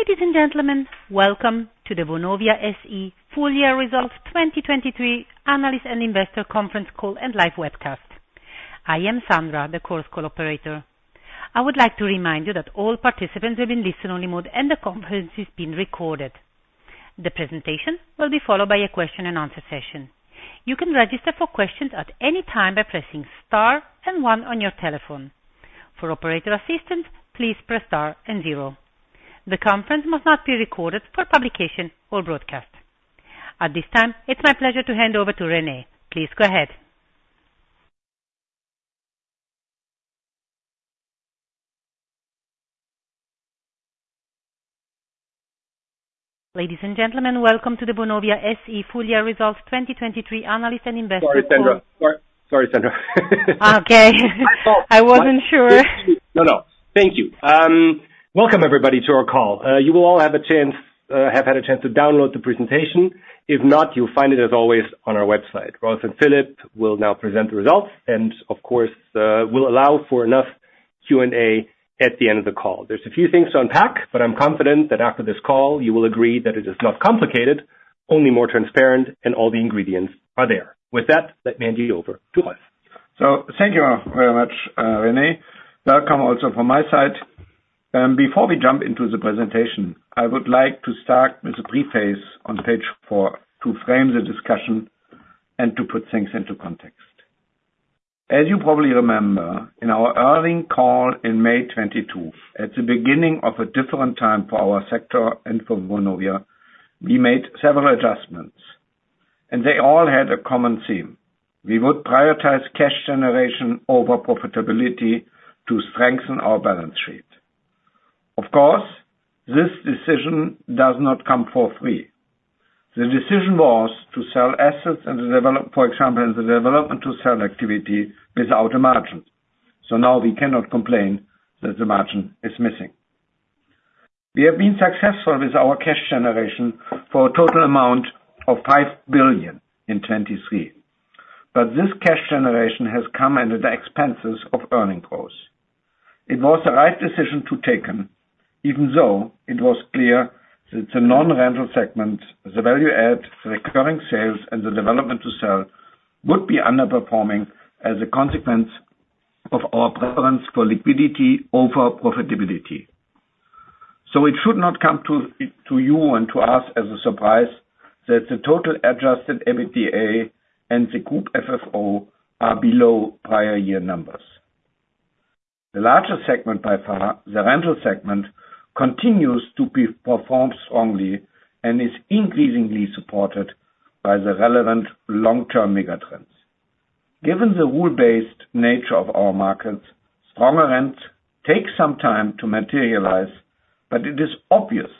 Ladies and gentlemen, welcome to the Vonovia SE full year results 2023 analyst and investor conference call and live webcast. I am Sandra, the conference call operator. I would like to remind you that all participants will be in listen-only mode, and the conference is being recorded. The presentation will be followed by a question and answer session. You can register for questions at any time by pressing star and one on your telephone. For operator assistance, please press star and zero. The conference must not be recorded for publication or broadcast. At this time, it's my pleasure to hand over to Rene. Please go ahead. Ladies and gentlemen, welcome to the Vonovia SE full year results 2023 analyst and investor- Sorry, Sandra. Sorry, Sandra. Okay, I wasn't sure. No, no. Thank you. Welcome, everybody, to our call. You will all have a chance, have had a chance to download the presentation. If not, you'll find it, as always, on our website. Rolf and Philip will now present the results, and of course, we'll allow for enough Q&A at the end of the call. There's a few things to unpack, but I'm confident that after this call, you will agree that it is not complicated, only more transparent, and all the ingredients are there. With that, let me hand you over to Rolf. So thank you very much, Rene. Welcome also from my side. Before we jump into the presentation, I would like to start with a preface on page 4 to frame the discussion and to put things into context. As you probably remember, in our earnings call in May 2022, at the beginning of a different time for our sector and for Vonovia, we made several adjustments, and they all had a common theme. We would prioritize cash generation over profitability to strengthen our balance sheet. Of course, this decision does not come for free. The decision was to sell assets and develop for example, in the development to sell activity without a margin. So now we cannot complain that the margin is missing. We have been successful with our cash generation for a total amount of 5 billion in 2023, but this cash generation has come at the expense of earnings growth. It was the right decision to take, even though it was clear that the non-rental segment, the value add, the recurring sales, and the development to sell, would be underperforming as a consequence of our preference for liquidity over profitability. So it should not come to you and to us as a surprise that the total adjusted EBITDA and the Group FFO are below prior year numbers. The largest segment by far, the rental segment, continues to perform strongly and is increasingly supported by the relevant long-term mega trends. Given the rule-based nature of our markets, stronger rents take some time to materialize, but it is obvious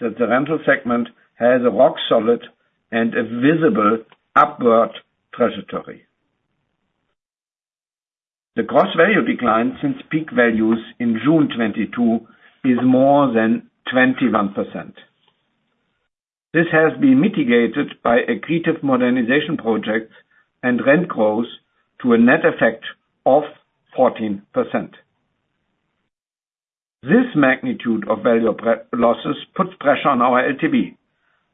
that the rental segment has a rock solid and a visible upward trajectory. The gross value decline since peak values in June 2022 is more than 21%. This has been mitigated by accretive modernization projects and rent growth to a net effect of 14%. This magnitude of value losses puts pressure on our LTV,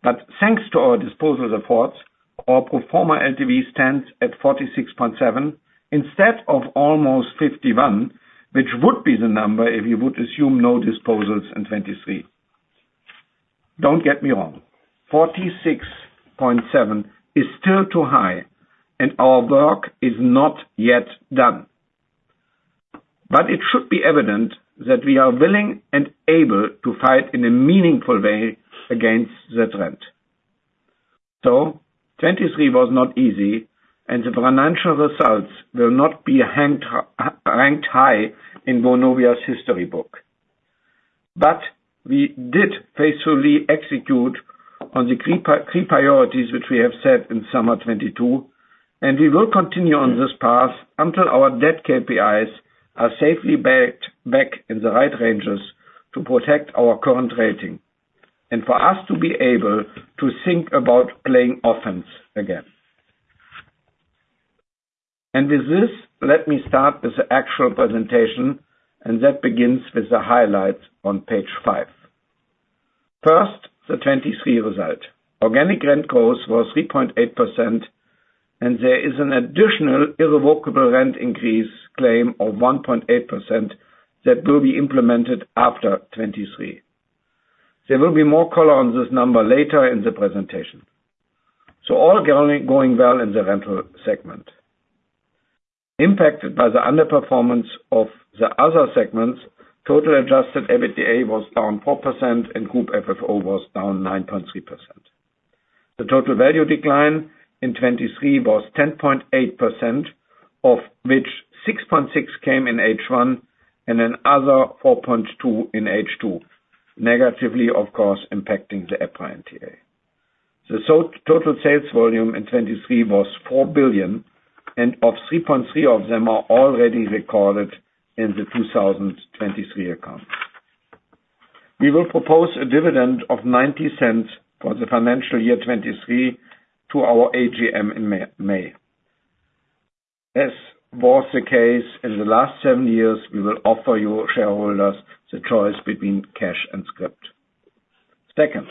but thanks to our disposal efforts, our pro forma LTV stands at 46.7, instead of almost 51, which would be the number if you would assume no disposals in 2023. Don't get me wrong, 46.7 is still too high, and our work is not yet done. But it should be evident that we are willing and able to fight in a meaningful way against the trend. So 2023 was not easy, and the financial results will not be ranked high in Vonovia's history book. But we did faithfully execute on the key priorities, which we have set in summer 2022, and we will continue on this path until our debt KPIs are safely backed back in the right ranges to protect our current rating, and for us to be able to think about playing offense again. With this, let me start with the actual presentation, and that begins with the highlights on page 5. First, the 2023 result. Organic rent growth was 3.8%, and there is an additional irrevocable rent increase claim of 1.8% that will be implemented after 2023. There will be more color on this number later in the presentation. So all going well in the rental segment. Impacted by the underperformance of the other segments, total adjusted EBITDA was down 4% and Group FFO was down 9.3%. The total value decline in 2023 was 10.8%, of which 6.6 came in H1 and another 4.2 in H2, negatively, of course, impacting the EPRA NTA. So total sales volume in 2023 was 4 billion, and of which 3.3 billion are already recorded in the 2023 account. We will propose a dividend of 0.90 for the financial year 2023 to our AGM in May. As was the case in the last 7 years, we will offer you shareholders the choice between cash and scrip. Second,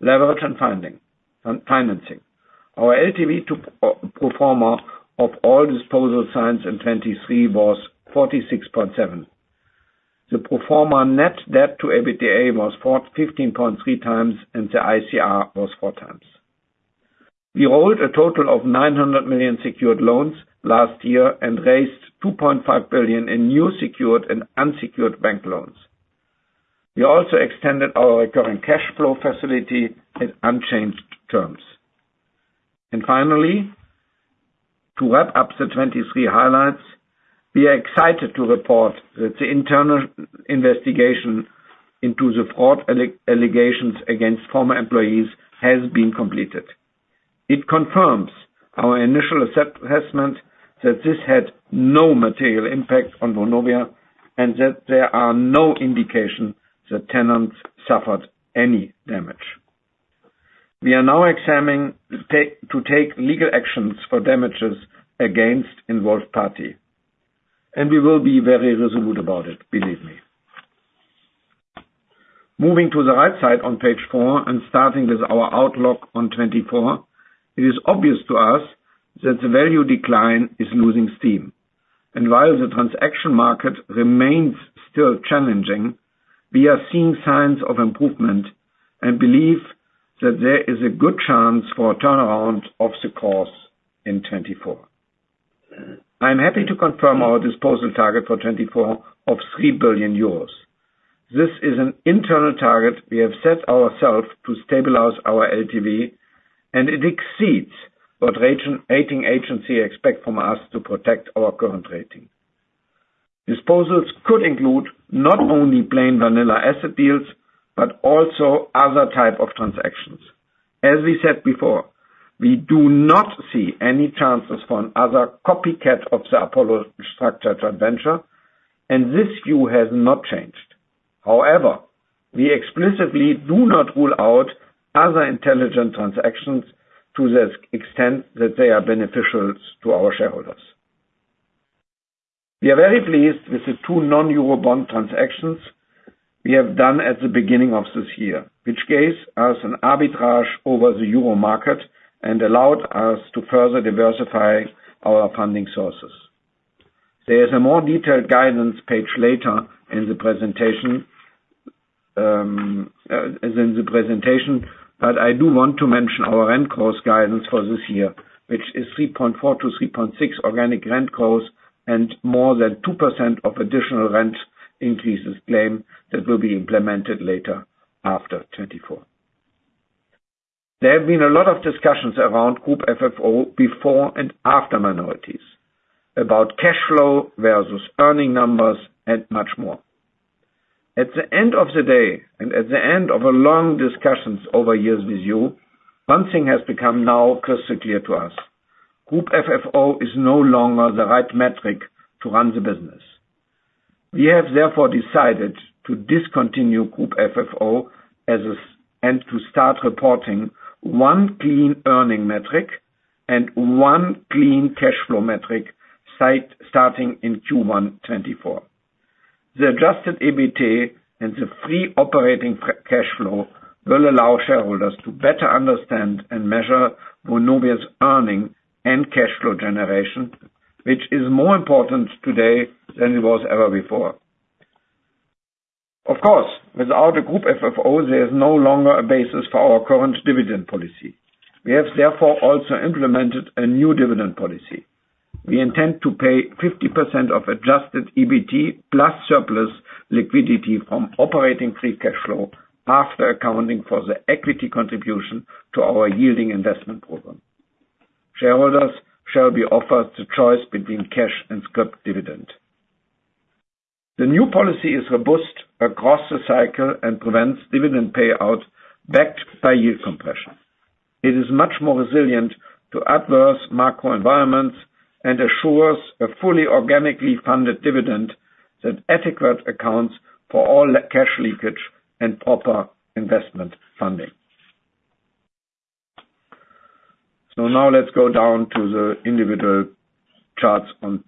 leverage and funding, and financing. Our LTV pro forma of all disposals in 2023 was 46.7%. The pro forma net debt to EBITDA was 4.15 times, and the ICR was 4 times. We hold a total of 900 million secured loans last year and raised 2.5 billion in new secured and unsecured bank loans. We also extended our current cash flow facility at unchanged terms. And finally, to wrap up the 2023 highlights, we are excited to report that the internal investigation into the fraud allegations against former employees has been completed. It confirms our initial assessment that this had no material impact on Vonovia, and that there are no indication that tenants suffered any damage. We are now examining to take legal actions for damages against involved party, and we will be very resolute about it, believe me. Moving to the right side on page 4, and starting with our outlook on 2024, it is obvious to us that the value decline is losing steam. And while the transaction market remains still challenging, we are seeing signs of improvement and believe that there is a good chance for a turnaround of the course in 2024. I'm happy to confirm our disposal target for 2024 of 3 billion euros. This is an internal target we have set ourselves to stabilize our LTV, and it exceeds what rating agency expect from us to protect our current rating. Disposals could include not only plain vanilla asset deals, but also other type of transactions. As we said before, we do not see any chances for another copycat of the Apollo structured venture, and this view has not changed. However, we explicitly do not rule out other intelligent transactions to the extent that they are beneficial to our shareholders. We are very pleased with the two non-euro bond transactions we have done at the beginning of this year, which gave us an arbitrage over the euro market and allowed us to further diversify our funding sources. There is a more detailed guidance page later in the presentation, but I do want to mention our rent growth guidance for this year, which is 3.4%-3.6% organic rent growth, and more than 2% of additional rent increases claim that will be implemented later, after 2024. There have been a lot of discussions around Group FFO before and after minorities, about cash flow versus earning numbers and much more. At the end of the day, and at the end of a long discussion over years with you, one thing has become now crystal clear to us: Group FFO is no longer the right metric to run the business. We have therefore decided to discontinue Group FFO as a, and to start reporting one clean earnings metric and one clean cash flow metric side, starting in Q1 2024. The Adjusted EBT and the operating free cash flow will allow shareholders to better understand and measure Vonovia's earnings and cash flow generation, which is more important today than it was ever before. Of course, without a Group FFO, there is no longer a basis for our current dividend policy. We have therefore also implemented a new dividend policy. We intend to pay 50% of adjusted EBT, plus surplus liquidity from operating free cash flow after accounting for the equity contribution to our yielding investment program. Shareholders shall be offered the choice between cash and scrip dividend. The new policy is robust across the cycle and prevents dividend payout, backed by yield compression. It is much more resilient to adverse macro environments and assures a fully organically funded dividend that adequate accounts for all leakage and proper investment funding. So now let's go down to the individual charts on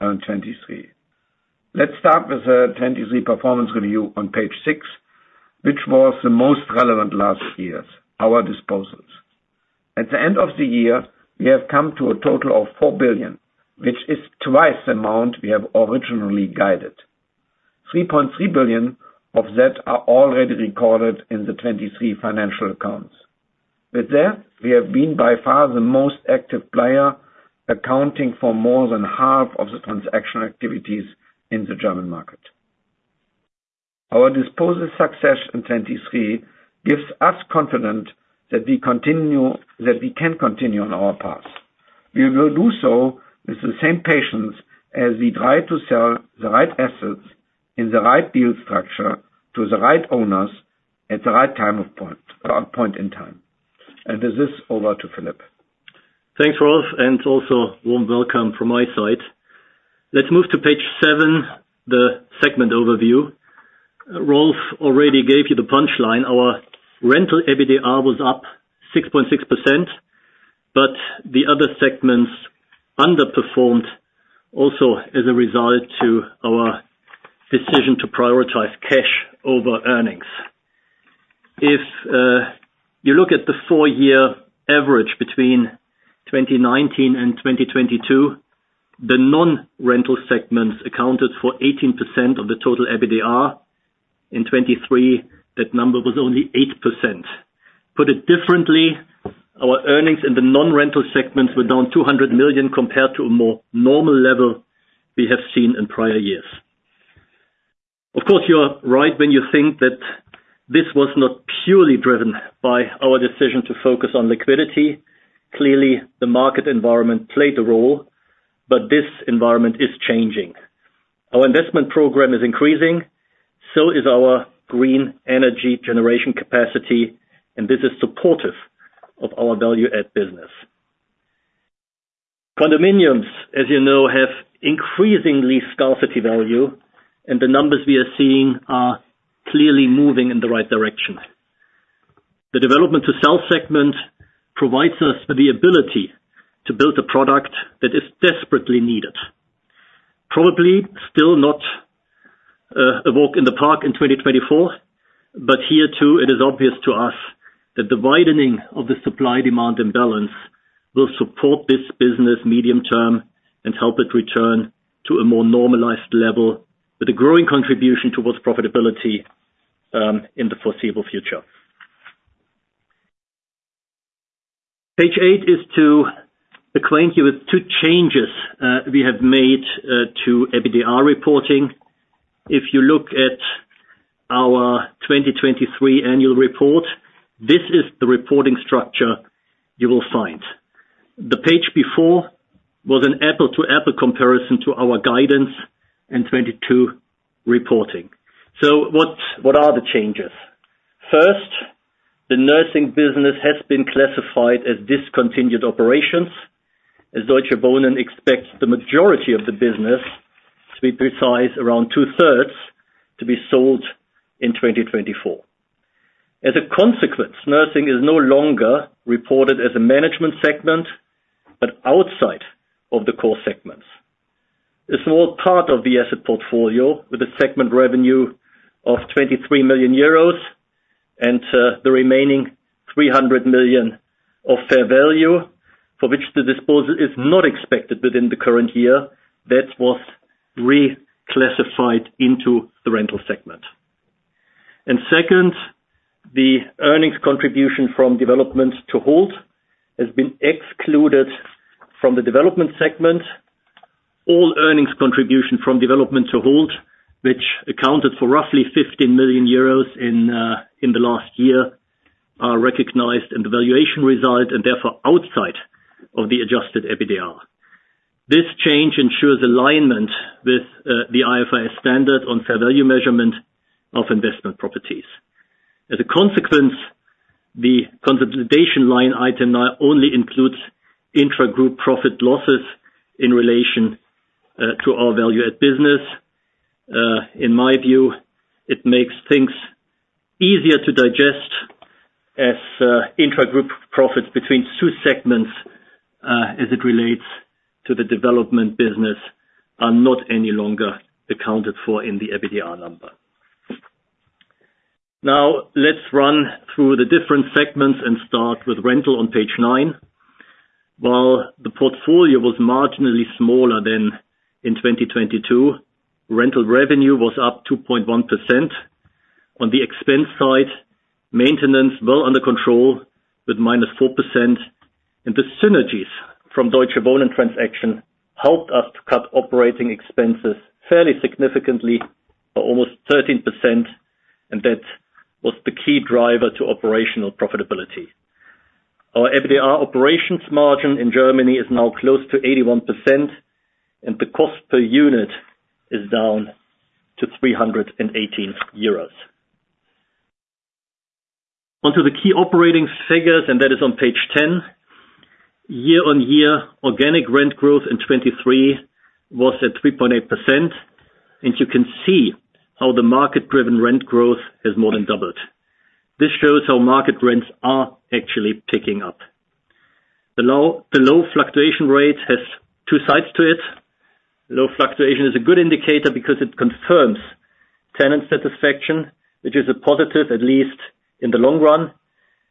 2023. Let's start with the 2023 performance review on page 6, which was the most relevant last years, our disposals. At the end of the year, we have come to a total of 4 billion, which is twice the amount we have originally guided. 3.3 billion of that are already recorded in the 2023 financial accounts. With that, we have been by far the most active player, accounting for more than half of the transaction activities in the German market. Our disposal success in 2023 gives us confidence that we continue that we can continue on our path. We will do so with the same patience as we try to sell the right assets, in the right deal structure, to the right owners, at the right time of point, point in time. And with this, over to Philip. Thanks, Rolf, and also warm welcome from my side. Let's move to page 7, the segment overview. Rolf already gave you the punchline. Our rental EBITDA was up 6.6%, but the other segments underperformed also as a result to our decision to prioritize cash over earnings. If you look at the four-year average between 2019 and 2022, the non-rental segments accounted for 18% of the total EBITDA. In 2023, that number was only 8%. Put it differently, our earnings in the non-rental segments were down 200 million, compared to a more normal level we have seen in prior years. Of course, you are right when you think that this was not purely driven by our decision to focus on liquidity. Clearly, the market environment played a role, but this environment is changing. Our investment program is increasing, so is our green energy generation capacity, and this is supportive of our value add business. Condominiums, as you know, have increasingly scarcity value, and the numbers we are seeing are clearly moving in the right direction. The development to sell segment provides us the ability to build a product that is desperately needed. Probably still not a walk in the park in 2024, but here too, it is obvious to us that the widening of the supply-demand imbalance will support this business medium term and help it return to a more normalized level, with a growing contribution towards profitability in the foreseeable future. Page 8 is to acquaint you with two changes we have made to EBITDA reporting. If you look at our 2023 annual report, this is the reporting structure you will find. The page before was an apple-to-apple comparison to our guidance in 2022 reporting. So what, what are the changes? First, the nursing business has been classified as discontinued operations, as Deutsche Wohnen expects the majority of the business, to be precise, around 2/3, to be sold in 2024. As a consequence, nursing is no longer reported as a management segment, but outside of the core segments. A small part of the asset portfolio, with a segment revenue of 23 million euros and the remaining 300 million of fair value, for which the disposal is not expected within the current year. That was reclassified into the rental segment. And second, the earnings contribution from development to hold has been excluded from the development segment. All earnings contribution from development to hold, which accounted for roughly 15 million euros in the last year, are recognized in the valuation result and therefore outside of the adjusted EBITDA. This change ensures alignment with the IFRS standard on fair value measurement of investment properties. As a consequence, the consolidation line item now only includes intra-group profit losses in relation to our value-add business. In my view, it makes things easier to digest as intra-group profits between two segments as it relates to the development business are not any longer accounted for in the EBITDA number. Now, let's run through the different segments and start with rental on page nine. While the portfolio was marginally smaller than in 2022, rental revenue was up 2.1%. On the expense side, maintenance well under control, with -4%, and the synergies from Deutsche Wohnen transaction helped us to cut operating expenses fairly significantly by almost 13%, and that was the key driver to operational profitability. Our EBITDA operations margin in Germany is now close to 81%, and the cost per unit is down to EUR 318. On to the key operating figures, and that is on page 10. Year-on-year, organic rent growth in 2023 was at 3.8%, and you can see how the market-driven rent growth has more than doubled. This shows how market rents are actually picking up. The low fluctuation rate has two sides to it. Low fluctuation is a good indicator because it confirms tenant satisfaction, which is a positive, at least in the long run.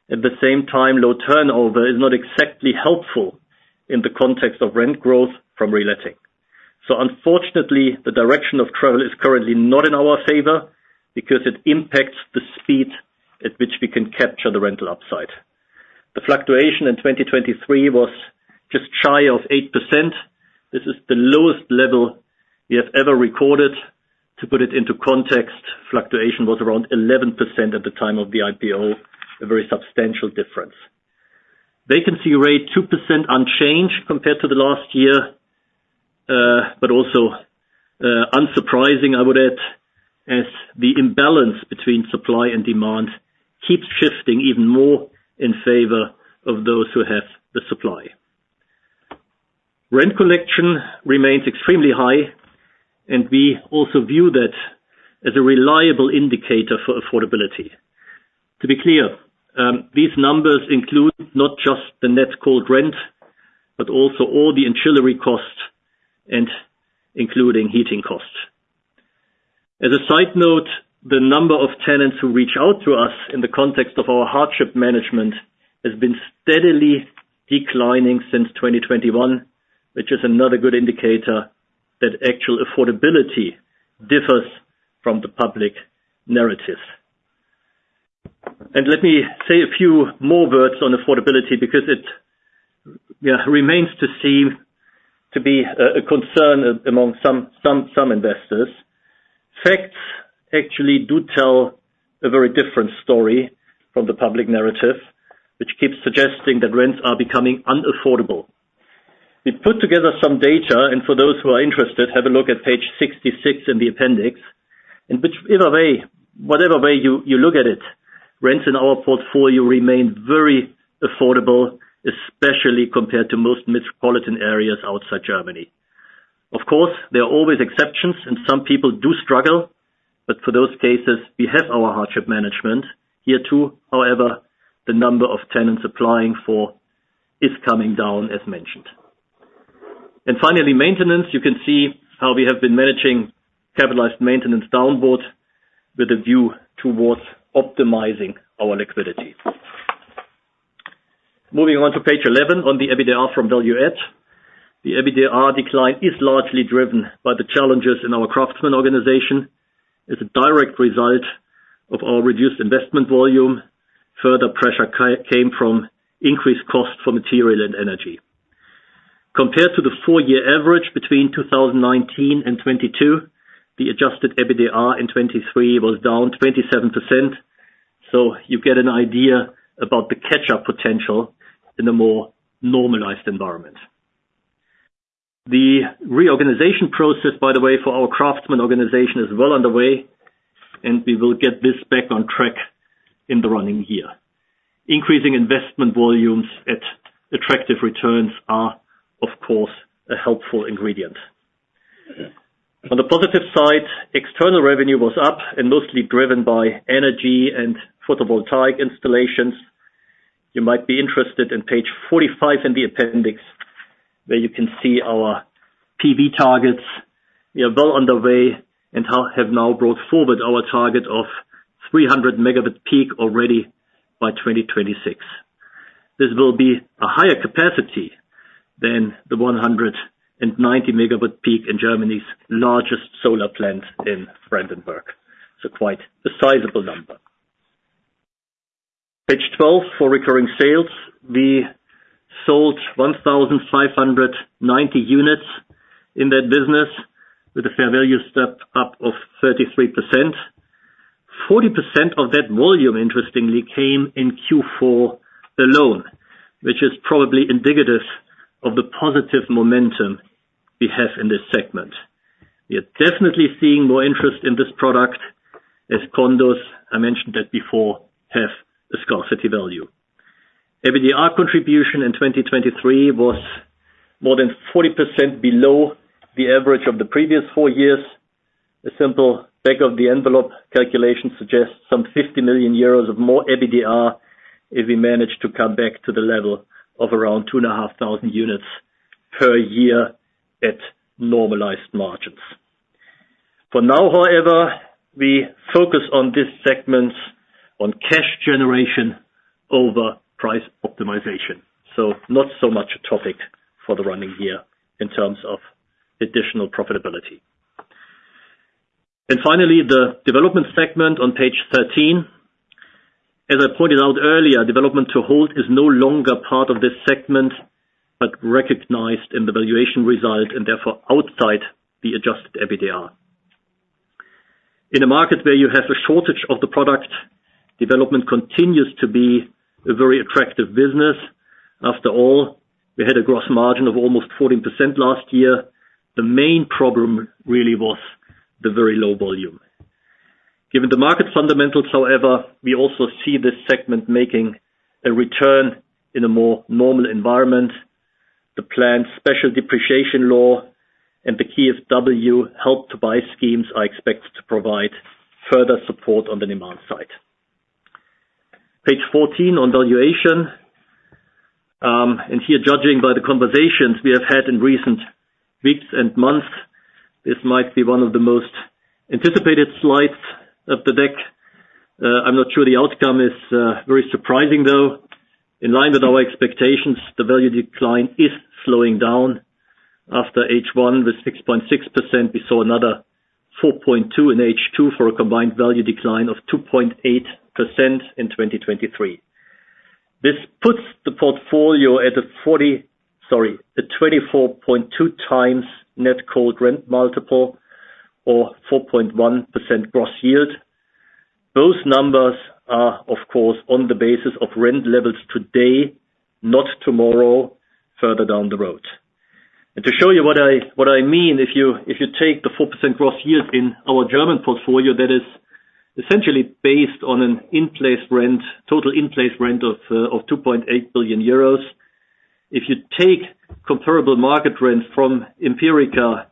At the same time, low turnover is not exactly helpful in the context of rent growth from reletting. So unfortunately, the direction of travel is currently not in our favor because it impacts the speed at which we can capture the rental upside. The fluctuation in 2023 was just shy of 8%. This is the lowest level we have ever recorded. To put it into context, fluctuation was around 11% at the time of the IPO, a very substantial difference. Vacancy rate, 2% unchanged compared to the last year, but also, unsurprising, I would add, as the imbalance between supply and demand keeps shifting even more in favor of those who have the supply. Rent collection remains extremely high, and we also view that as a reliable indicator for affordability. To be clear, these numbers include not just the net cold rent, but also all the ancillary costs and including heating costs. As a side note, the number of tenants who reach out to us in the context of our hardship management has been steadily declining since 2021, which is another good indicator that actual affordability differs from the public narrative. Let me say a few more words on affordability because it, yeah, remains to seem to be a concern among some investors. Facts actually do tell a very different story from the public narrative, which keeps suggesting that rents are becoming unaffordable. We put together some data, and for those who are interested, have a look at page 66 in the appendix. In which either way, whatever way you, you look at it, rents in our portfolio remain very affordable, especially compared to most metropolitan areas outside Germany. Of course, there are always exceptions, and some people do struggle, but for those cases, we have our hardship management. Here too, however, the number of tenants applying for is coming down, as mentioned. Finally, maintenance. You can see how we have been managing capitalized maintenance downward with a view towards optimizing our liquidity. Moving on to page eleven, on the EBITDA from value-add. The EBITDA decline is largely driven by the challenges in our craftsman organization, as a direct result of our reduced investment volume. Further pressure came from increased cost for material and energy. Compared to the four-year average between 2019 and 2022, the Adjusted EBITDA in 2023 was down 27%, so you get an idea about the catch-up potential in a more normalized environment. The reorganization process, by the way, for our craftsman organization is well underway, and we will get this back on track in the running year. Increasing investment volumes at attractive returns are, of course, a helpful ingredient. On the positive side, external revenue was up and mostly driven by energy and photovoltaic installations. You might be interested in page 45 in the appendix, where you can see our PV targets. We are well underway and have now brought forward our target of 300 megawatt peak already by 2026. This will be a higher capacity than the 190-megawatt peak in Germany's largest solar plant in Brandenburg. So quite a sizable number. Page twelve, for recurring sales. We sold 1,590 units in that business with a Fair Value Step-up of 33%. 40% of that volume, interestingly, came in Q4 alone, which is probably indicative of the positive momentum we have in this segment. We are definitely seeing more interest in this product as condos, I mentioned that before, have a scarcity value. EBITDA contribution in 2023 was more than 40% below the average of the previous four years. A simple back of the envelope calculation suggests some 50 million euros of more EBITDA if we manage to come back to the level of around 2,500 units per year at normalized margins. For now, however, we focus on this segment on cash generation over price optimization, so not so much a topic for the running year in terms of additional profitability. Finally, the development segment on page 13. As I pointed out earlier, development to hold is no longer part of this segment, but recognized in the valuation result and therefore outside the adjusted EBITDA. In a market where you have a shortage of the product, development continues to be a very attractive business. After all, we had a gross margin of almost 14% last year. The main problem really was the very low volume. Given the market fundamentals, however, we also see this segment making a return in a more normal environment. The planned special depreciation law and the KfW help to buy schemes are expected to provide further support on the demand side. Page 14 on valuation. And here, judging by the conversations we have had in recent weeks and months, this might be one of the most anticipated slides of the deck. I'm not sure the outcome is very surprising, though. In line with our expectations, the value decline is slowing down. After H1 with 6.6%, we saw another 4.2% in H2 for a combined value decline of 2.8% in 2023. This puts the portfolio at a forty, sorry, a 24.2x net cold rent multiple or 4.1% gross yield. Those numbers are, of course, on the basis of rent levels today, not tomorrow, further down the road. To show you what I, what I mean, if you, if you take the 4% gross yield in our German portfolio, that is essentially based on an in-place rent, total in-place rent of 2.8 billion euros. If you take comparable market rent from Empirica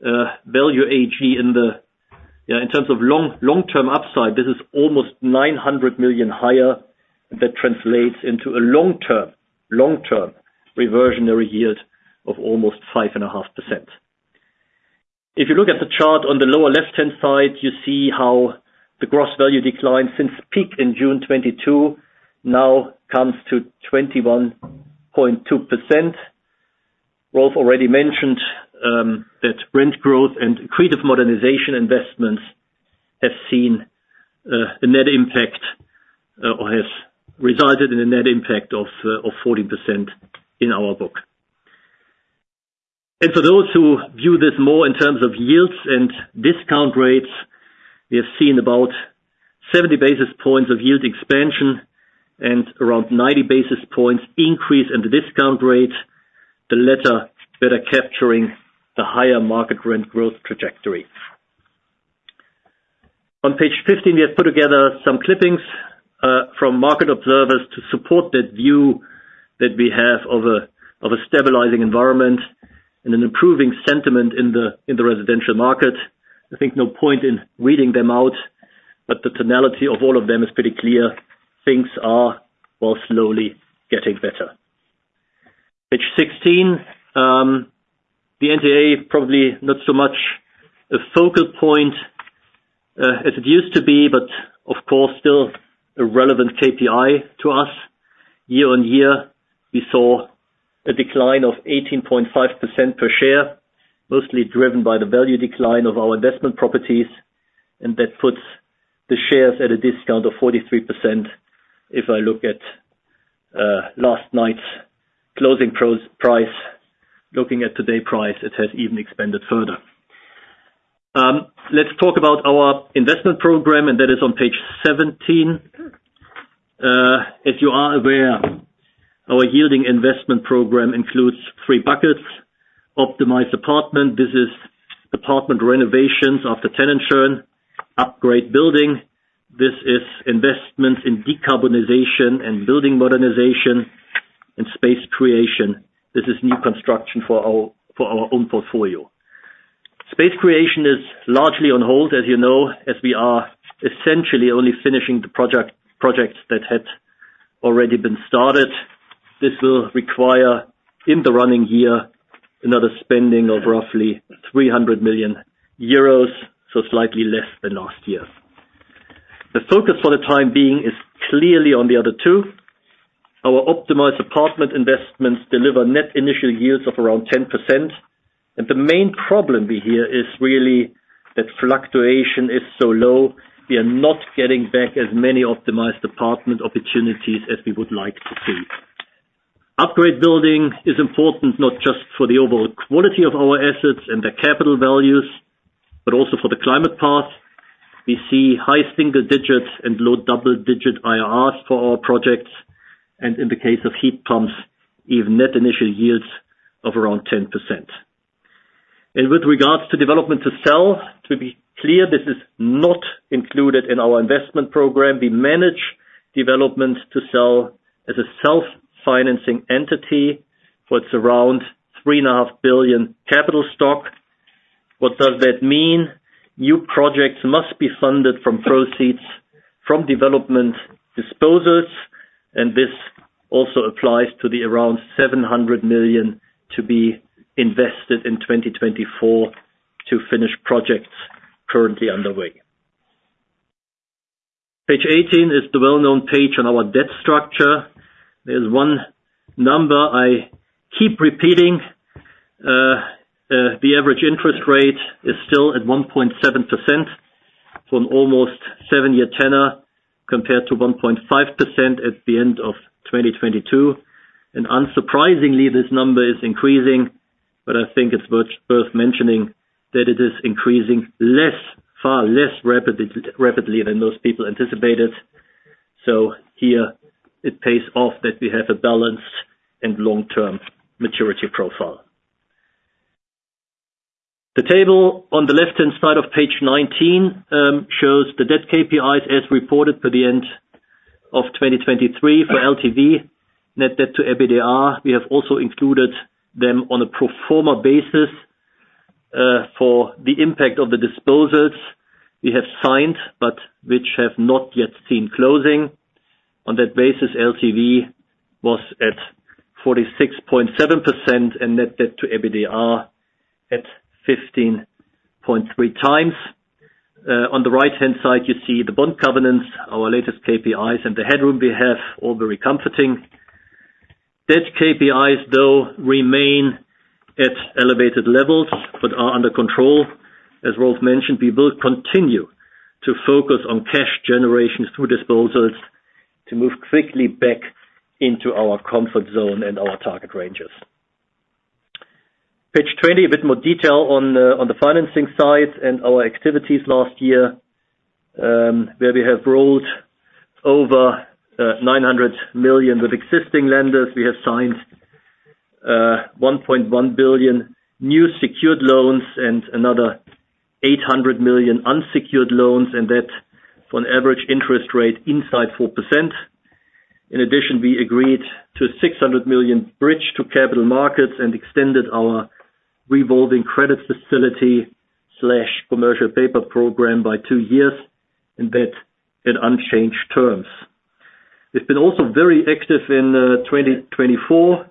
Value AG in terms of long-term upside, this is almost 900 million higher, that translates into a long-term reversionary yield of almost 5.5%. If you look at the chart on the lower left-hand side, you see how the gross value declined since peak in June 2022, now comes to 21.2%. Rolf already mentioned that rent growth and creative modernization investments have seen a net impact or has resulted in a net impact of 40% in our book. For those who view this more in terms of yields and discount rates, we have seen about 70 basis points of yield expansion and around 90 basis points increase in the discount rate, the latter better capturing the higher market rent growth trajectory. On page 15, we have put together some clippings from market observers to support that view that we have of a stabilizing environment and an improving sentiment in the residential market. I think no point in reading them out, but the tonality of all of them is pretty clear: things are, well, slowly getting better. Page 16, the NDA is probably not so much a focal point as it used to be, but of course, still a relevant KPI to us. Year on year, we saw a decline of 18.5% per share, mostly driven by the value decline of our investment properties, and that puts the shares at a discount of 43%. If I look at last night's closing price, looking at today's price, it has even expanded further. Let's talk about our investment program, and that is on page 17. As you are aware, our Yielding Investment Program includes three buckets: Optimized Apartment, this is apartment renovations after tenant churn; Upgrade Building, this is investments in decarbonization and building modernization; and Space Creation, this is new construction for our own portfolio. Space Creation is largely on hold, as you know, as we are essentially only finishing the projects that had already been started. This will require, in the running year, another spending of roughly 300 million euros, so slightly less than last year. The focus for the time being is clearly on the other two. Our optimized apartment investments deliver net initial yields of around 10% and the main problem we hear is really that fluctuation is so low, we are not getting back as many optimized apartment opportunities as we would like to see. Upgrade building is important not just for the overall quality of our assets and their capital values, but also for the climate path. We see high single digits and low double-digit IRRs for our projects, and in the case of heat pumps, even net initial yields of around 10%. With regards to development to sell, to be clear, this is not included in our investment program. We manage development to sell as a self-financing entity for, it's around 3.5 billion capital stock. What does that mean? New projects must be funded from proceeds from development disposals, and this also applies to the around 700 million to be invested in 2024 to finish projects currently underway. Page 18 is the well-known page on our debt structure. There's one number I keep repeating. The average interest rate is still at 1.7% from almost 7-year tenor, compared to 1.5% at the end of 2022. Unsurprisingly, this number is increasing, but I think it's worth mentioning that it is increasing less, far less rapidly than most people anticipated. So here it pays off that we have a balanced and long-term maturity profile. The table on the left-hand side of page 19 shows the debt KPIs as reported for the end of 2023 for LTV, net debt to EBITDA. We have also included them on a pro forma basis for the impact of the disposals we have signed, but which have not yet seen closing. On that basis, LTV was at 46.7% and net debt to EBITDA at 15.3 times. On the right-hand side, you see the bond covenants, our latest KPIs and the headroom we have, all very comforting. Debt KPIs, though, remain at elevated levels, but are under control. As Rolf mentioned, we will continue to focus on cash generations through disposals to move quickly back into our comfort zone and our target ranges. Page 20, a bit more detail on the financing side and our activities last year, where we have rolled over 900 million with existing lenders. We have signed 1.1 billion new secured loans and another 800 million unsecured loans, and that for an average interest rate inside 4%. In addition, we agreed to 600 million bridge to capital markets and extended our revolving credit facility slash commercial paper program by 2 years, and that in unchanged terms. We've been also very active in 2024.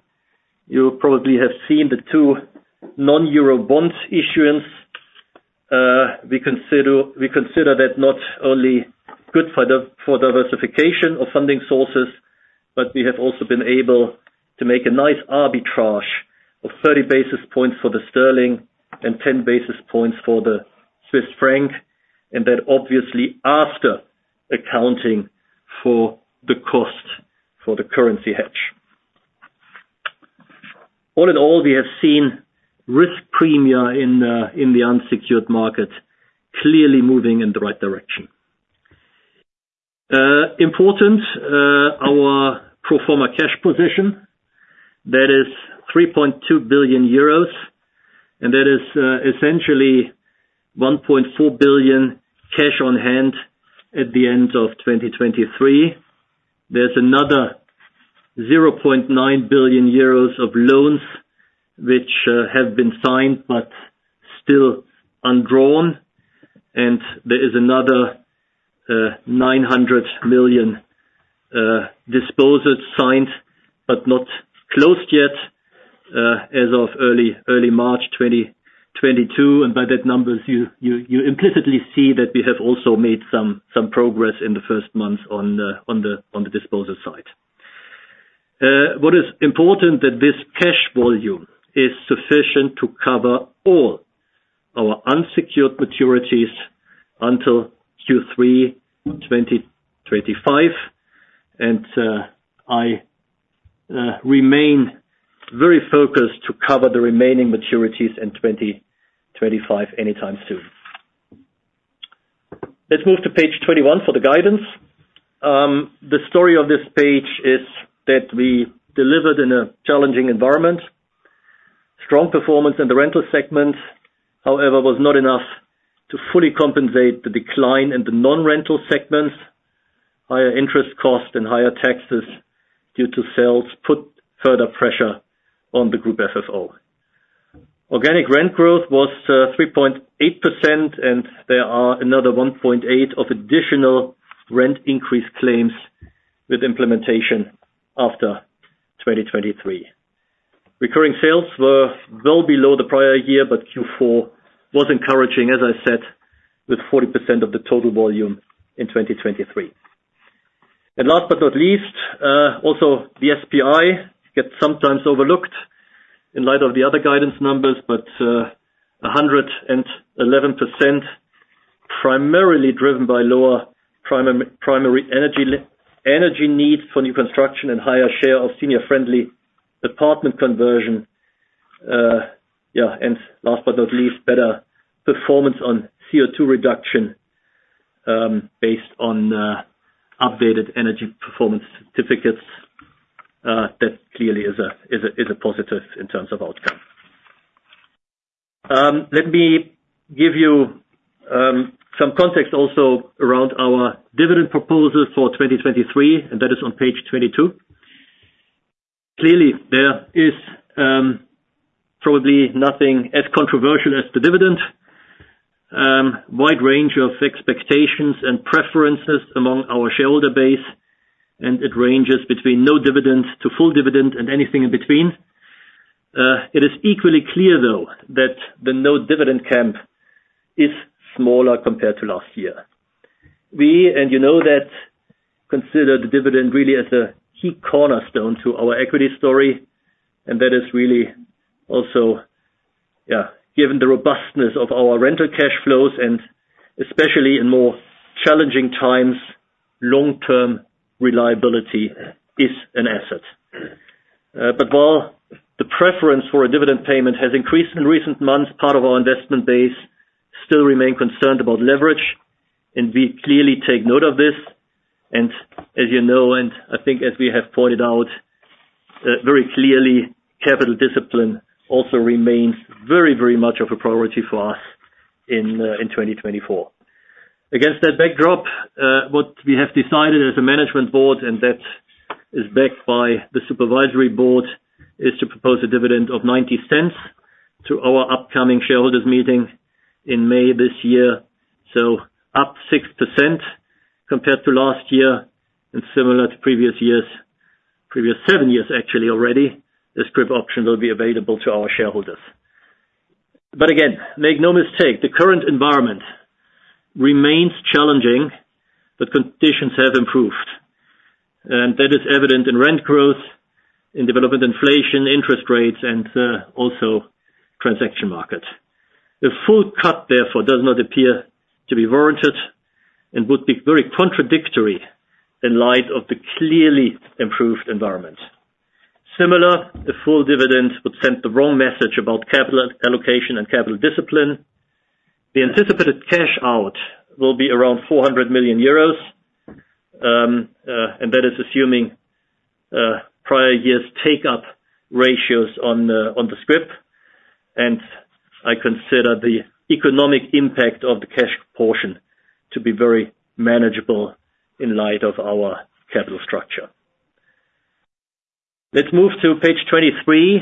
You probably have seen the two non-euro bond issuance. We consider that not only good for diversification of funding sources, but we have also been able to make a nice arbitrage of 30 basis points for the sterling and 10 basis points for the Swiss franc, and then obviously after accounting for the cost for the currency hedge. All in all, we have seen risk premia in the unsecured market clearly moving in the right direction. Important, our pro forma cash position, that is 3.2 billion euros, and that is essentially 1.4 billion cash on hand at the end of 2023. There's another 0.9 billion euros of loans which have been signed but still undrawn, and there is another 900 million disposals signed but not closed yet as of early March 2022. And by that numbers, you implicitly see that we have also made some progress in the first months on the disposal side. What is important that this cash volume is sufficient to cover all our unsecured maturities until Q3 2025, and I remain very focused to cover the remaining maturities in 2025 anytime soon. Let's move to page 21 for the guidance. The story of this page is that we delivered in a challenging environment. Strong performance in the rental segment, however, was not enough to fully compensate the decline in the non-rental segments. Higher interest costs and higher taxes due to sales put further pressure on the Group FFO. Organic rent growth was 3.8%, and there are another 1.8 of additional rent increase claims with implementation after 2023. Recurring sales were well below the prior year, but Q4 was encouraging, as I said, with 40% of the total volume in 2023. Last but not least, also the SPI gets sometimes overlooked in light of the other guidance numbers, but a 111%, primarily driven by lower primary energy needs for new construction and higher share of senior-friendly apartment conversion. Yeah, and last but not least, better performance on CO2 reduction based on updated energy performance certificates. That clearly is a positive in terms of outcome. Let me give you some context also around our dividend proposals for 2023, and that is on page 22. Clearly, there is probably nothing as controversial as the dividend. Wide range of expectations and preferences among our shareholder base, and it ranges between no dividends to full dividend and anything in between. It is equally clear, though, that the no dividend camp is smaller compared to last year. We, and you know that, consider the dividend really as a key cornerstone to our equity story, and that is really also, given the robustness of our rental cash flows, and especially in more challenging times, long-term reliability is an asset. But while the preference for a dividend payment has increased in recent months, part of our investment base still remain concerned about leverage, and we clearly take note of this. And as you know, and I think as we have pointed out, very clearly, capital discipline also remains very, very much of a priority for us in 2024. Against that backdrop, what we have decided as a management board, and that is backed by the supervisory board, is to propose a dividend of 0.90 to our upcoming shareholders meeting in May this year. So up 6% compared to last year and similar to previous years, previous 7 years, actually, already, the scrip option will be available to our shareholders. But again, make no mistake, the current environment remains challenging, but conditions have improved, and that is evident in rent growth, in development inflation, interest rates, and, also transaction market. A full cut, therefore, does not appear to be warranted and would be very contradictory in light of the clearly improved environment. Similarly, the full dividend would send the wrong message about capital allocation and capital discipline. The anticipated cash out will be around 400 million euros, and that is assuming prior years take up ratios on the, on the scrip, and I consider the economic impact of the cash portion to be very manageable in light of our capital structure. Let's move to page 23.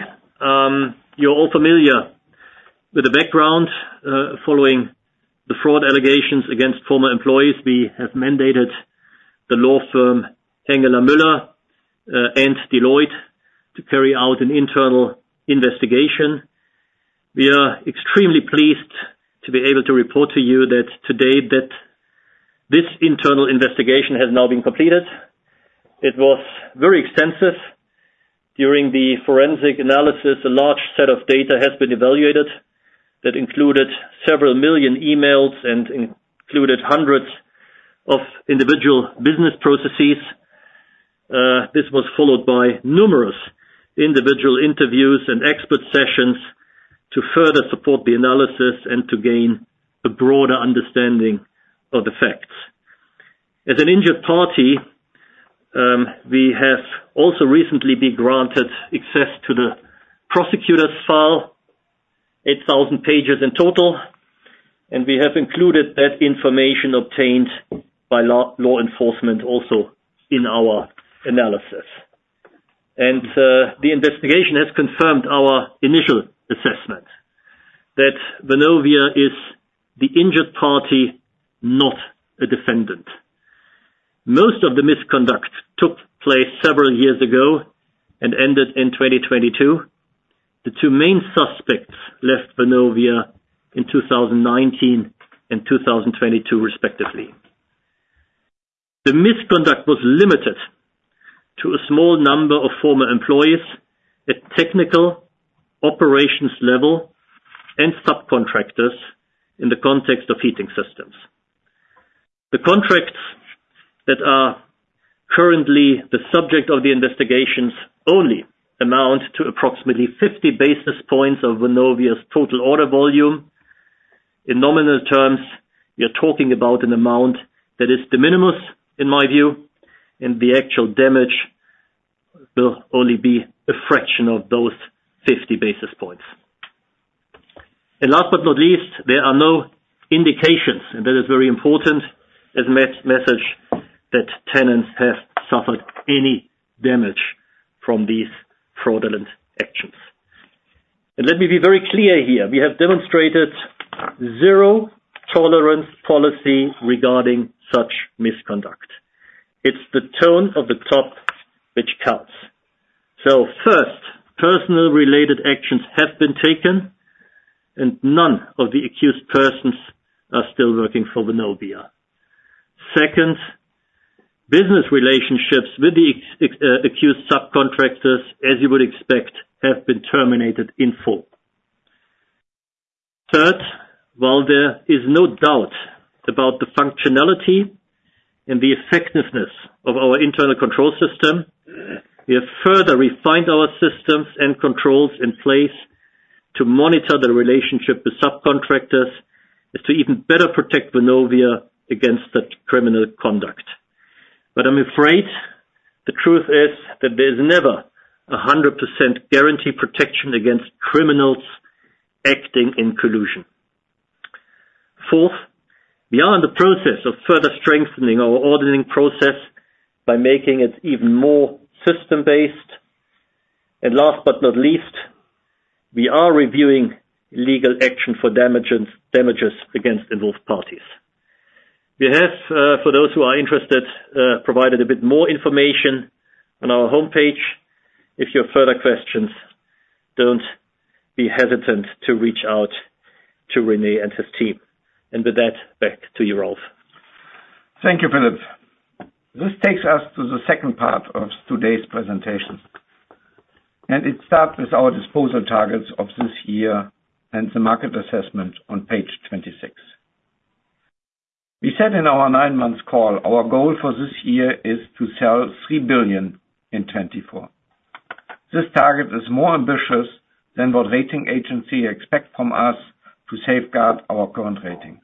You're all familiar with the background. Following the fraud allegations against former employees, we have mandated the law firm Hengeler Mueller and Deloitte to carry out an internal investigation. We are extremely pleased to be able to report to you that today, that this internal investigation has now been completed. It was very extensive. During the forensic analysis, a large set of data has been evaluated that included several million emails and included hundreds of individual business processes. This was followed by numerous individual interviews and expert sessions to further support the analysis and to gain a broader understanding of the facts. As an injured party, we have also recently been granted access to the prosecutor's file, 8,000 pages in total, and we have included that information obtained by law enforcement also in our analysis. The investigation has confirmed our initial assessment, that Vonovia is the injured party, not a defendant. Most of the misconduct took place several years ago and ended in 2022. The two main suspects left Vonovia in 2019 and 2022, respectively. The misconduct was limited to a small number of former employees at technical operations level and subcontractors in the context of heating systems. The contracts that are currently the subject of the investigations only amount to approximately 50 basis points of Vonovia's total order volume. In nominal terms, you're talking about an amount that is de minimis, in my view, and the actual damage will only be a fraction of those 50 basis points. Last but not least, there are no indications, and that is very important as a message, that tenants have suffered any damage from these fraudulent actions. Let me be very clear here, we have demonstrated zero tolerance policy regarding such misconduct. It's the tone of the top which counts. So first, personnel-related actions have been taken, and none of the accused persons are still working for Vonovia. Second, business relationships with the accused subcontractors, as you would expect, have been terminated in full. Third, while there is no doubt about the functionality and the effectiveness of our internal control system, we have further refined our systems and controls in place to monitor the relationship with subcontractors, is to even better protect Vonovia against such criminal conduct. But I'm afraid the truth is that there's never a 100% guaranteed protection against criminals acting in collusion. Fourth, we are in the process of further strengthening our ordering process by making it even more system-based. And last but not least, we are reviewing legal action for damages, damages against involved parties. We have, for those who are interested, provided a bit more information on our homepage. If you have further questions, don't be hesitant to reach out to Rene and his team. And with that, back to you, Rolf. Thank you, Philip. This takes us to the second part of today's presentation, and it starts with our disposal targets of this year and the market assessment on page 26. We said in our nine months call, our goal for this year is to sell 3 billion in 2024. This target is more ambitious than what rating agency expect from us to safeguard our current rating.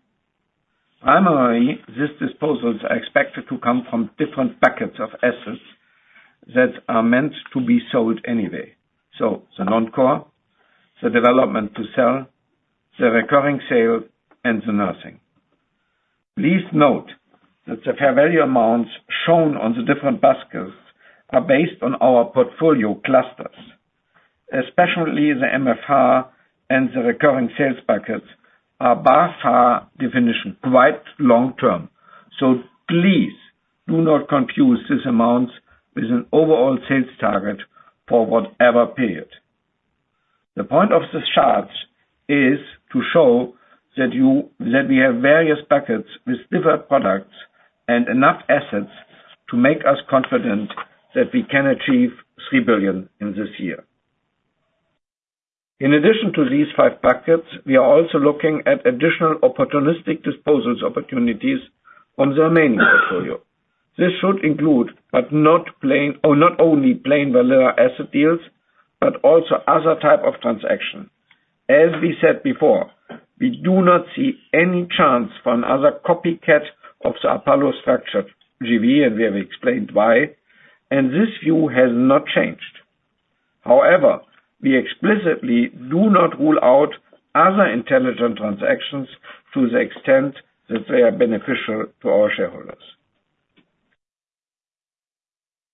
Primarily, these disposals are expected to come from different packets of assets that are meant to be sold anyway. So the non-core, the development to sell, the recurring sale, and the nursing. Please note that the fair value amounts shown on the different baskets are based on our portfolio clusters, especially the MFR and the recurring sales buckets are, by far, definition, quite long term. So please do not confuse these amounts with an overall sales target for whatever period. The point of this chart is to show that we have various buckets with different products and enough assets to make us confident that we can achieve 3 billion in this year. In addition to these five buckets, we are also looking at additional opportunistic disposals opportunities on the remaining portfolio. This should include, but not only plain vanilla asset deals, but also other type of transaction. As we said before, we do not see any chance for another copycat of the Apollo structured JV, and we have explained why, and this view has not changed. However, we explicitly do not rule out other intelligent transactions to the extent that they are beneficial to our shareholders.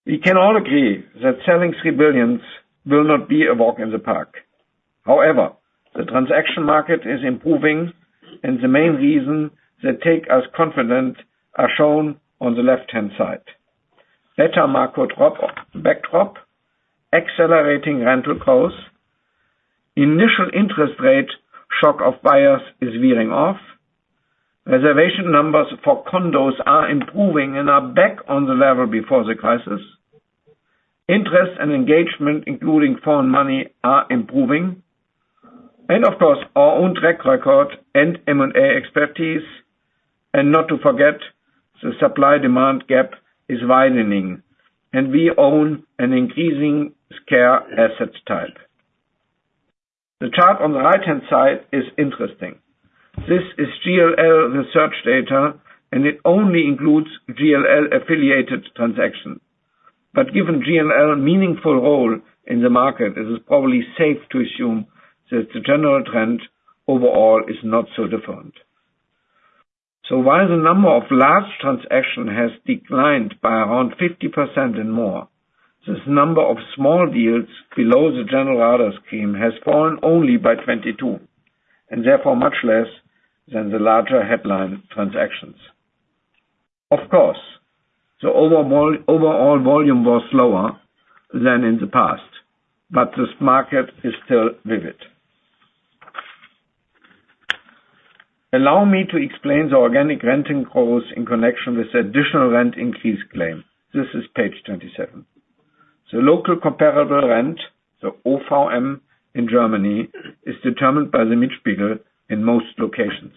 We can all agree that selling 3 billion will not be a walk in the park. However, the transaction market is improving, and the main reasons that make us confident are shown on the left-hand side. Better macro backdrop, accelerating rental costs, initial interest rate shock of buyers is wearing off. Reservation numbers for condos are improving and are back on the level before the crisis. Interest and engagement, including foreign money, are improving. And of course, our own track record and M&A expertise, and not to forget, the supply-demand gap is widening, and we own an increasing scale asset type. The chart on the right-hand side is interesting. This is JLL research data, and it only includes JLL-affiliated transactions. But given JLL's meaningful role in the market, it is probably safe to assume that the general trend overall is not so different. So while the number of large transactions has declined by around 50% and more, this number of small deals below the general order scheme has fallen only by 22, and therefore much less than the larger headline transactions. Of course, the overall, overall volume was lower than in the past, but this market is still vivid. Allow me to explain the organic renting costs in connection with the additional rent increase claim. This is page 27. The local comparable rent, the OVM in Germany, is determined by the Mietspiegel in most locations.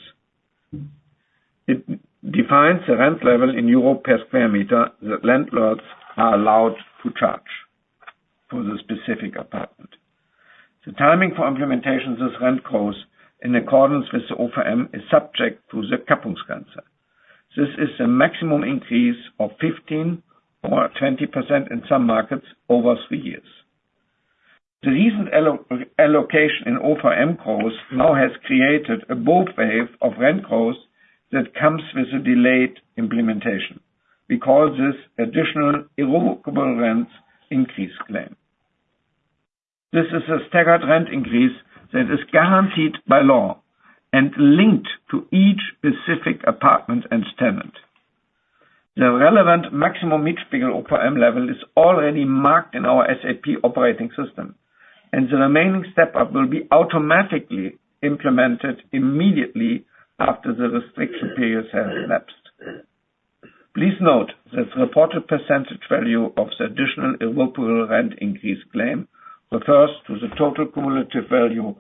It defines the rent level in EUR per sq m that landlords are allowed to charge for the specific apartment. The timing for implementation of this rent cost, in accordance with the OVM, is subject to the Kappungsgrenze. This is a maximum increase of 15% or 20% in some markets over 3 years. The recent allocation in OVM costs now has created a bow wave of rent costs that comes with a delayed implementation. We call this additional irrevocable rent increase claim. This is a staggered rent increase that is guaranteed by law and linked to each specific apartment and tenant. The relevant maximum Mietspiegel figure OVM level is already marked in our SAP operating system, and the remaining step-up will be automatically implemented immediately after the restriction period has elapsed. Please note that the reported percentage value of the additional irrevocable rent increase claim refers to the total cumulative value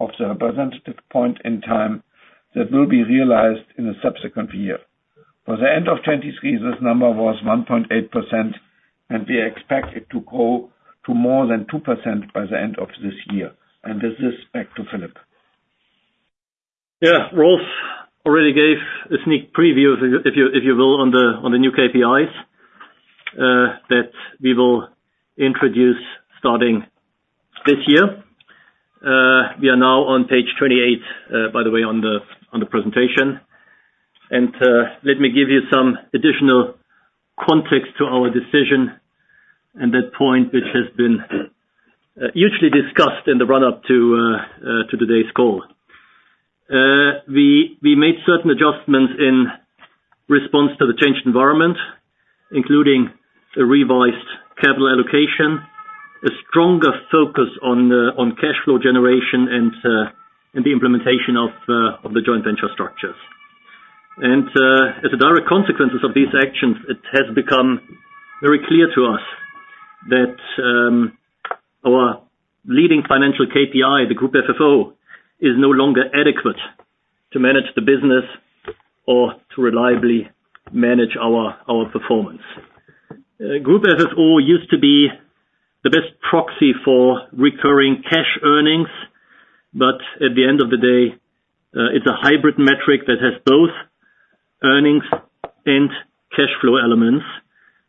of the representative point in time that will be realized in the subsequent year. For the end of 2023, this number was 1.8%, and we expect it to grow to more than 2% by the end of this year. With this, back to Philip. Yeah, Rolf already gave a sneak preview, if you will, on the new KPIs that we will introduce starting this year. We are now on page 28, by the way, on the presentation. Let me give you some additional context to our decision and that point, which has been usually discussed in the run-up to today's call. We made certain adjustments in response to the changed environment, including a revised capital allocation, a stronger focus on cash flow generation and the implementation of the joint venture structures. As a direct consequence of these actions, it has become very clear to us that our leading financial KPI, the Group FFO, is no longer adequate to manage the business or to reliably manage our performance. Group FFO used to be the best proxy for recurring cash earnings, but at the end of the day, it's a hybrid metric that has both earnings and cash flow elements.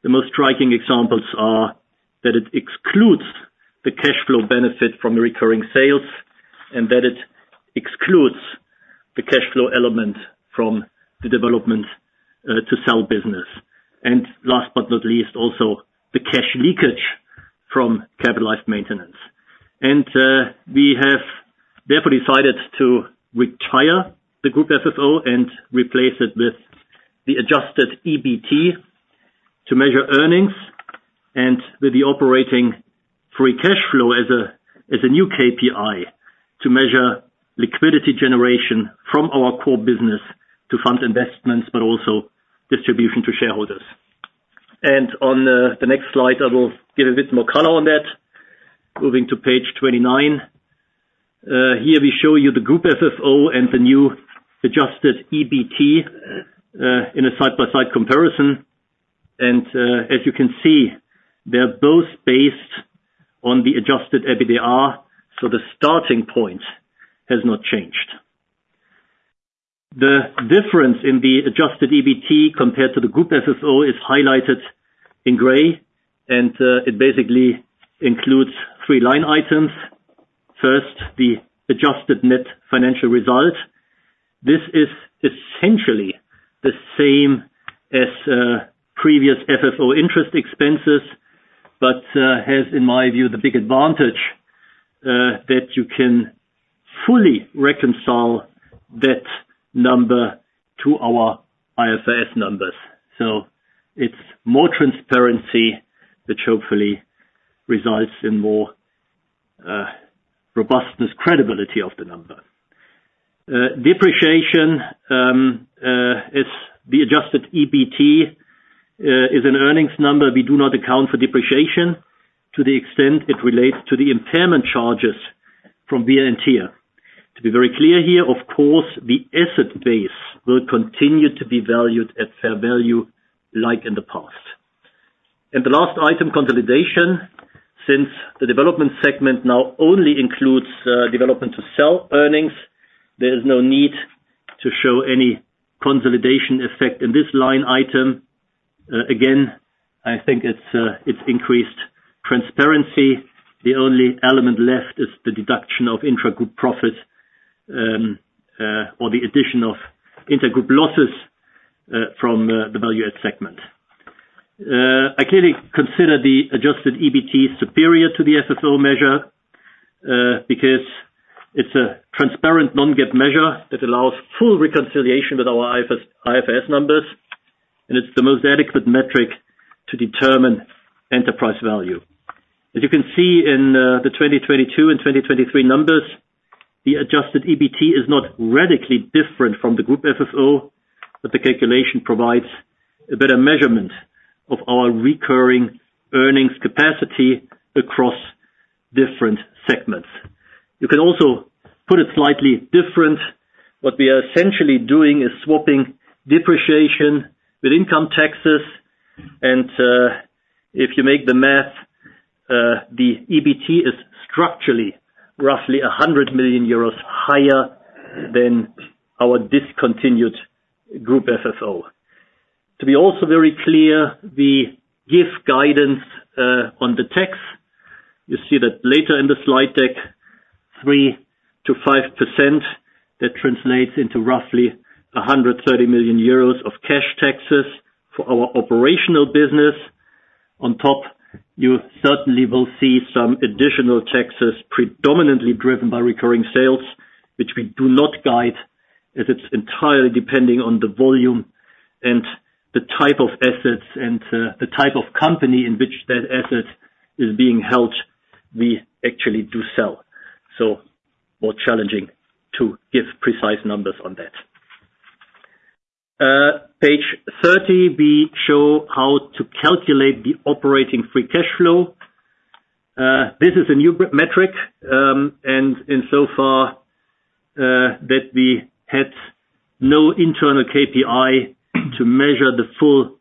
The most striking examples are that it excludes the cash flow benefit from recurring sales, and that it excludes the cash flow element from the development to sell business. And last but not least, also the cash leakage from capitalized maintenance. We have therefore decided to retire the Group FFO and replace it with the adjusted EBT to measure earnings. and with the Operating Free Cash Flow as a new KPI to measure liquidity generation from our core business to fund investments, but also distribution to shareholders. On the next slide, I will give a bit more color on that. Moving to page 29, here we show you the Group FFO and the new Adjusted EBT in a side-by-side comparison. And as you can see, they are both based on the Adjusted EBITDA, so the starting point has not changed. The difference in the Adjusted EBT compared to the Group FFO is highlighted in gray, and it basically includes three line items. First, the adjusted net financial result. This is essentially the same as previous FFO interest expenses, but has, in my view, the big advantage that you can fully reconcile that number to our IFRS numbers. So it's more transparency, which hopefully resides in more, robustness, credibility of the number. Depreciation, is the adjusted EBT, is an earnings number. We do not account for depreciation to the extent it relates to the impairment charges from VNTR. To be very clear here, of course, the asset base will continue to be valued at fair value, like in the past. And the last item, consolidation. Since the development segment now only includes, development to sell earnings, there is no need to show any consolidation effect in this line item. Again, I think it's, it's increased transparency. The only element left is the deduction of intragroup profit, or the addition of intragroup losses, from, the value add segment. I clearly consider the adjusted EBT superior to the FFO measure, because it's a transparent non-GAAP measure that allows full reconciliation with our IFRS, IFRS numbers, and it's the most adequate metric to determine enterprise value. As you can see in the 2022 and 2023 numbers, the adjusted EBT is not radically different from the group FFO, but the calculation provides a better measurement of our recurring earnings capacity across different segments. You can also put it slightly different. What we are essentially doing is swapping depreciation with income taxes, and if you make the math, the EBT is structurally roughly 100 million euros higher than our discontinued group FFO. To be also very clear, we give guidance on the tax. You see that later in the slide deck, 3%-5%, that translates into roughly 130 million euros of cash taxes for our operational business. On top, you certainly will see some additional taxes, predominantly driven by recurring sales, which we do not guide, as it's entirely depending on the volume and the type of assets and, the type of company in which that asset is being held, we actually do sell. So more challenging to give precise numbers on that. Page 30, we show how to calculate the operating free cash flow. This is a new metric, and so far, that we had no internal KPI to measure the full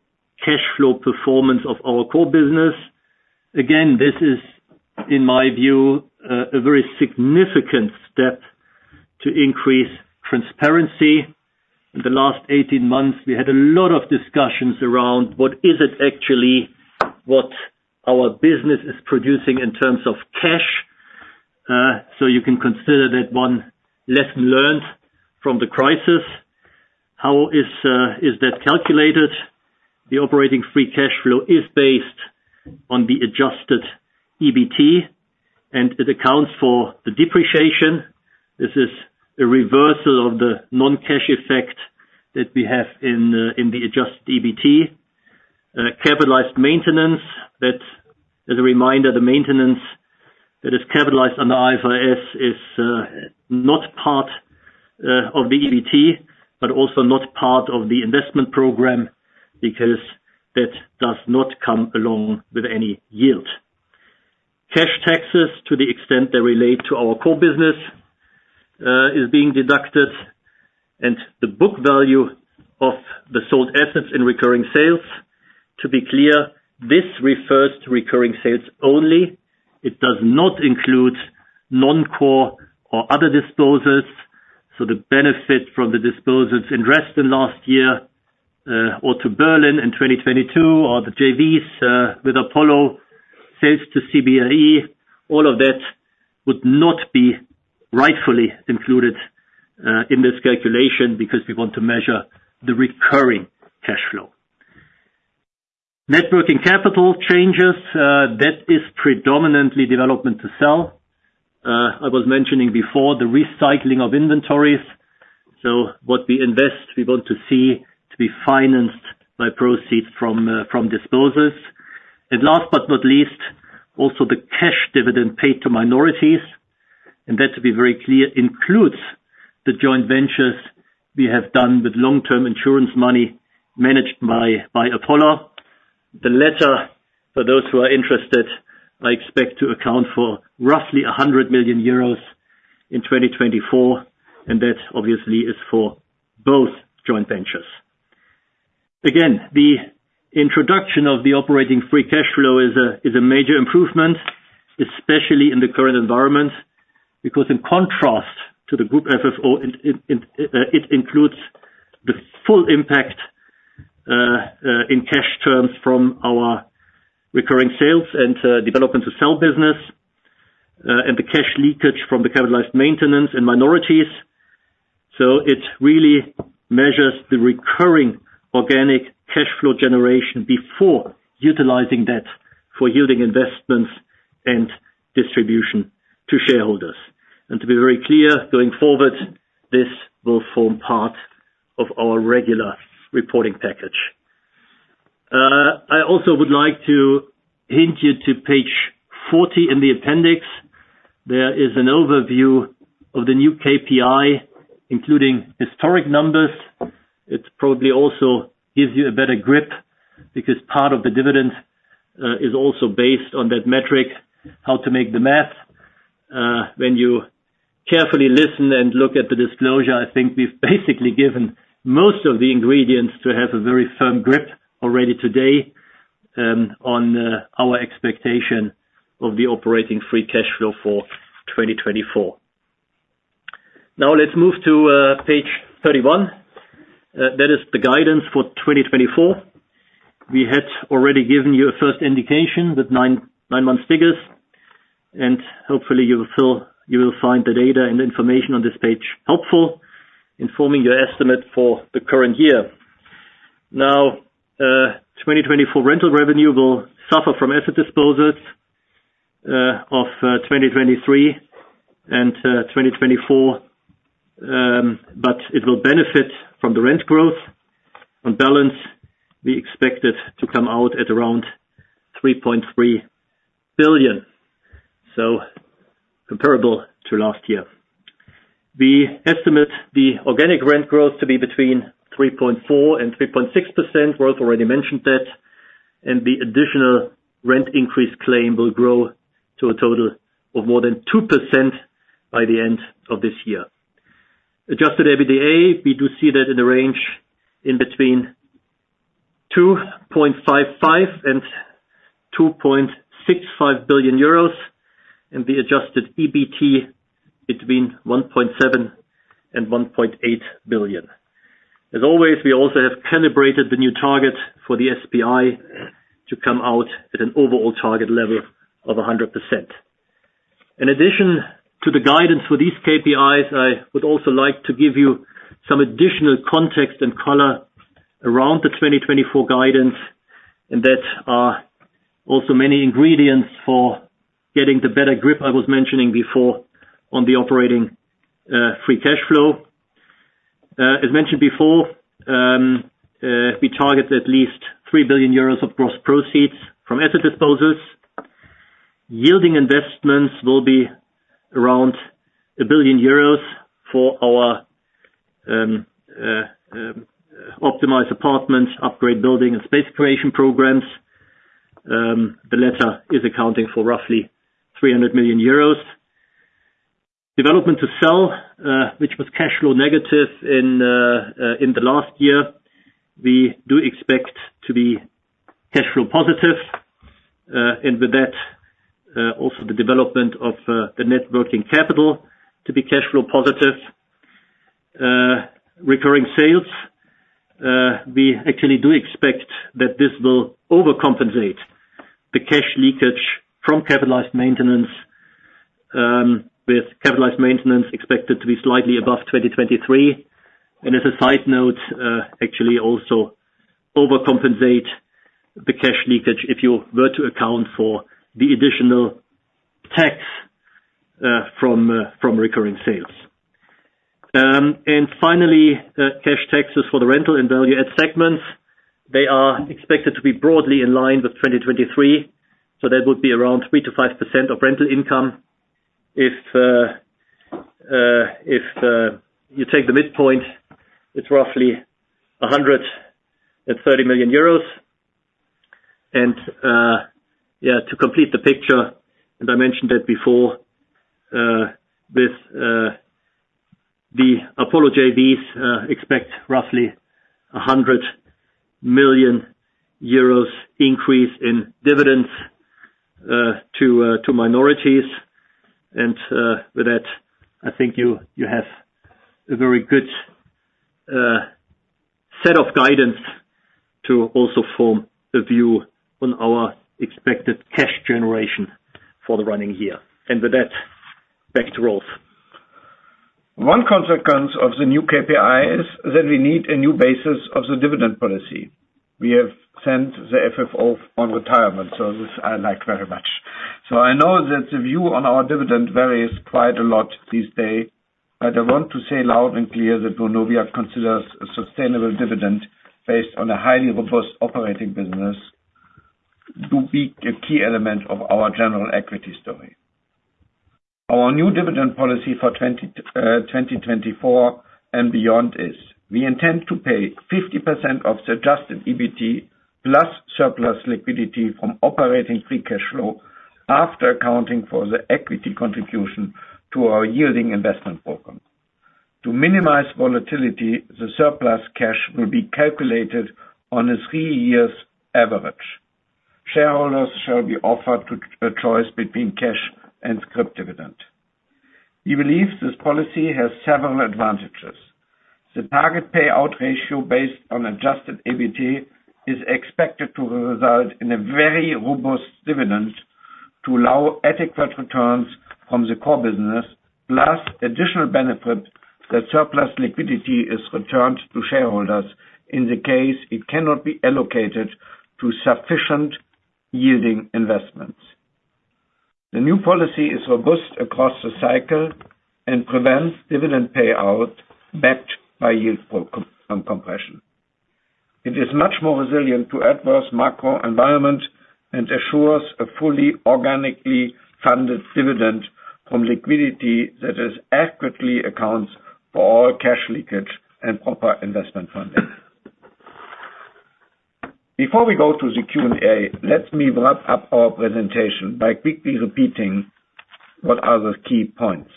cash flow performance of our core business. Again, this is, in my view, a very significant step to increase transparency. In the last 18 months, we had a lot of discussions around what is it actually, what our business is producing in terms of cash. So you can consider that one lesson learned from the crisis. How is, is that calculated? The operating free cash flow is based on the adjusted EBT, and it accounts for the depreciation. This is a reversal of the non-cash effect that we have in, in the adjusted EBT. Capitalized maintenance, that as a reminder, the maintenance that is capitalized under IFRS is, not part, of the EBT, but also not part of the investment program, because that does not come along with any yield. Cash taxes, to the extent they relate to our core business, is being deducted, and the book value of the sold assets in recurring sales. To be clear, this refers to recurring sales only. It does not include non-core or other disposals. So the benefit from the disposals in Dresden last year, or to Berlin in 2022, or the JVs with Apollo, sales to CBRE, all of that would not be rightfully included in this calculation, because we want to measure the recurring cash flow. Net working capital changes, that is predominantly development to sell. I was mentioning before the recycling of inventories. So what we invest, we want to see to be financed by proceeds from disposals. And last but not least, also the cash dividend paid to minorities, and that, to be very clear, includes the joint ventures we have done with long-term insurance money managed by Apollo. The letter, for those who are interested, I expect to account for roughly 100 million euros in 2024, and that obviously is for both joint ventures. Again, the introduction of the operating free cash flow is a major improvement, especially in the current environment, because in contrast to the Group FFO, it includes the full impact in cash terms from our recurring sales and development to sell business, and the cash leakage from the capitalized maintenance and minorities. So it really measures the recurring organic cash flow generation before utilizing that for yielding investments and distribution to shareholders. And to be very clear, going forward, this will form part of our regular reporting package. I also would like to hint you to page 40 in the appendix. There is an overview of the new KPI, including historic numbers. It probably also gives you a better grip, because part of the dividend is also based on that metric, how to make the math. When you carefully listen and look at the disclosure, I think we've basically given most of the ingredients to have a very firm grip already today on our expectation of the operating free cash flow for 2024. Now, let's move to page 31. That is the guidance for 2024. We had already given you a first indication with 9-month figures, and hopefully, you will find the data and information on this page helpful in forming your estimate for the current year. Now, 2024 rental revenue will suffer from asset disposals of 2023 and 2024, but it will benefit from the rent growth. On balance, we expect it to come out at around 3.3 billion, so comparable to last year. We estimate the organic rent growth to be between 3.4% and 3.6%. Rolf already mentioned that. And the additional rent increase claim will grow to a total of more than 2% by the end of this year. Adjusted EBITDA, we do see that in the range in between 2.55 billion and 2.65 billion euros, and the adjusted EBT between 1.7 billion and 1.8 billion. As always, we also have calibrated the new target for the SPI to come out at an overall target level of 100%. In addition to the guidance for these KPIs, I would also like to give you some additional context and color around the 2024 guidance, and that are also many ingredients for getting the better grip I was mentioning before on the operating free cash flow. As mentioned before, we target at least 3 billion euros of gross proceeds from asset disposals. Yielding investments will be around 1 billion euros for our optimized apartments, upgrade building and space creation programs. The latter is accounting for roughly 300 million euros. Development to sell, which was cash flow negative in the last year, we do expect to be cash flow positive, and with that, also the development of the net working capital to be cash flow positive. Recurring sales, we actually do expect that this will overcompensate the cash leakage from capitalized maintenance, with capitalized maintenance expected to be slightly above 2023. And as a side note, actually also overcompensate the cash leakage if you were to account for the additional tax from recurring sales. And finally, cash taxes for the rental and value-add segments, they are expected to be broadly in line with 2023, so that would be around 3%-5% of rental income. If you take the midpoint, it's roughly 130 million euros. And, yeah, to complete the picture, and I mentioned it before, with the Apollo JVs, expect roughly 100 million euros increase in dividends to minorities. And, with that, I think you, you have a very good set of guidance to also form a view on our expected cash generation for the running year. And with that, back to Rolf. One consequence of the new KPIs, that we need a new basis of the dividend policy. We have sent the FFO on retirement, so this I like very much. So I know that the view on our dividend varies quite a lot these days, but I want to say loud and clear that Vonovia considers a sustainable dividend based on a highly robust operating business, to be a key element of our general equity story. Our new dividend policy for 2024 and beyond is: we intend to pay 50% of the adjusted EBT, plus surplus liquidity from operating free cash flow, after accounting for the equity contribution to our yielding investment program. To minimize volatility, the surplus cash will be calculated on a 3-year average. Shareholders shall be offered a choice between cash and scrip dividend. We believe this policy has several advantages. The target payout ratio based on Adjusted EBT is expected to result in a very robust dividend to allow adequate returns from the core business, plus additional benefit that surplus liquidity is returned to shareholders in the case it cannot be allocated to sufficient yielding investments. The new policy is robust across the cycle and prevents dividend payout backed by yield compression. It is much more resilient to adverse macro environment and assures a fully organically funded dividend from liquidity that accurately accounts for all cash leakage and proper investment funding. Before we go to the Q&A, let me wrap up our presentation by quickly repeating what are the key points.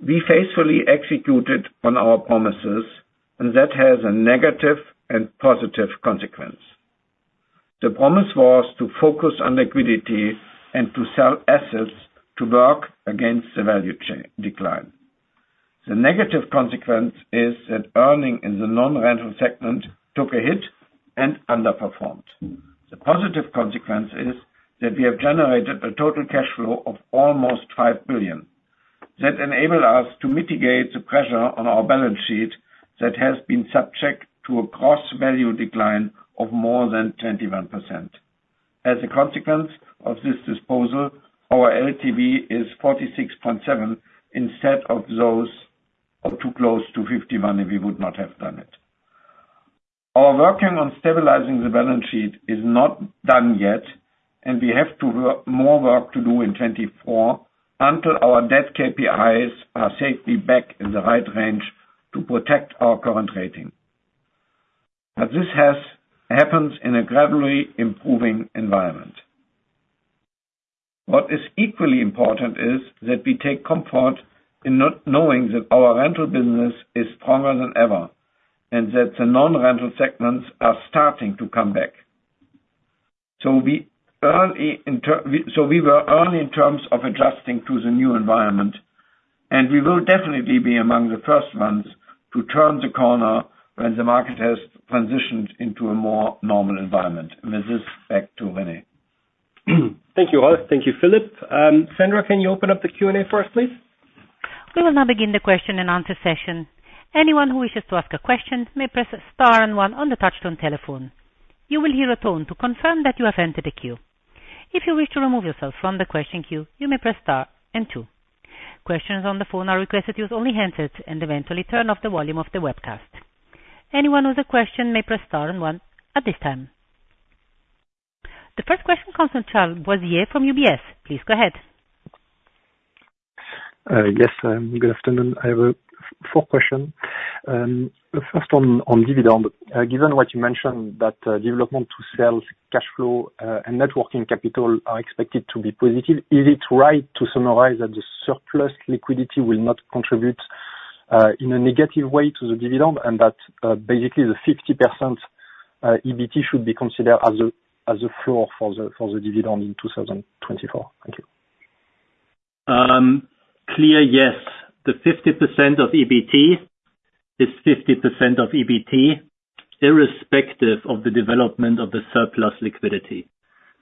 We faithfully executed on our promises, and that has a negative and positive consequence. The promise was to focus on liquidity and to sell assets to work against the value chain decline. The negative consequence is that earning in the non-rental segment took a hit and underperformed. The positive consequence is that we have generated a total cash flow of almost 5 billion. That enabled us to mitigate the pressure on our balance sheet that has been subject to a cross-value decline of more than 21%. As a consequence of this disposal, our LTV is 46.7, instead of those or too close to 51, if we would not have done it. Our working on stabilizing the balance sheet is not done yet, and we have more work to do in 2024, until our debt KPIs are safely back in the right range to protect our current rating. But this happens in a gradually improving environment. What is equally important is that we take comfort in not knowing that our rental business is stronger than ever, and that the non-rental segments are starting to come back. So we were early in terms of adjusting to the new environment, and we will definitely be among the first ones to turn the corner when the market has transitioned into a more normal environment. With this, back to Rene. Thank you, all. Thank you, Philip. Sandra, can you open up the Q&A for us, please? We will now begin the question and answer session. Anyone who wishes to ask a question may press star and one on the touchtone telephone. You will hear a tone to confirm that you have entered the queue. If you wish to remove yourself from the question queue, you may press star and two. Questions on the phone are requested to use only handsets and eventually turn off the volume of the webcast. Anyone with a question may press star and one at this time. The first question comes from Charles Boissier from UBS. Please go ahead. Yes, good afternoon. I have four questions. First on dividend. Given what you mentioned, that development to sell cash flow and net working capital are expected to be positive, is it right to summarize that the surplus liquidity will not contribute in a negative way to the dividend? And that basically the 50% EBT should be considered as a floor for the dividend in 2024? Thank you. Clear, yes. The 50% of EBT is 50% of EBT, irrespective of the development of the surplus liquidity.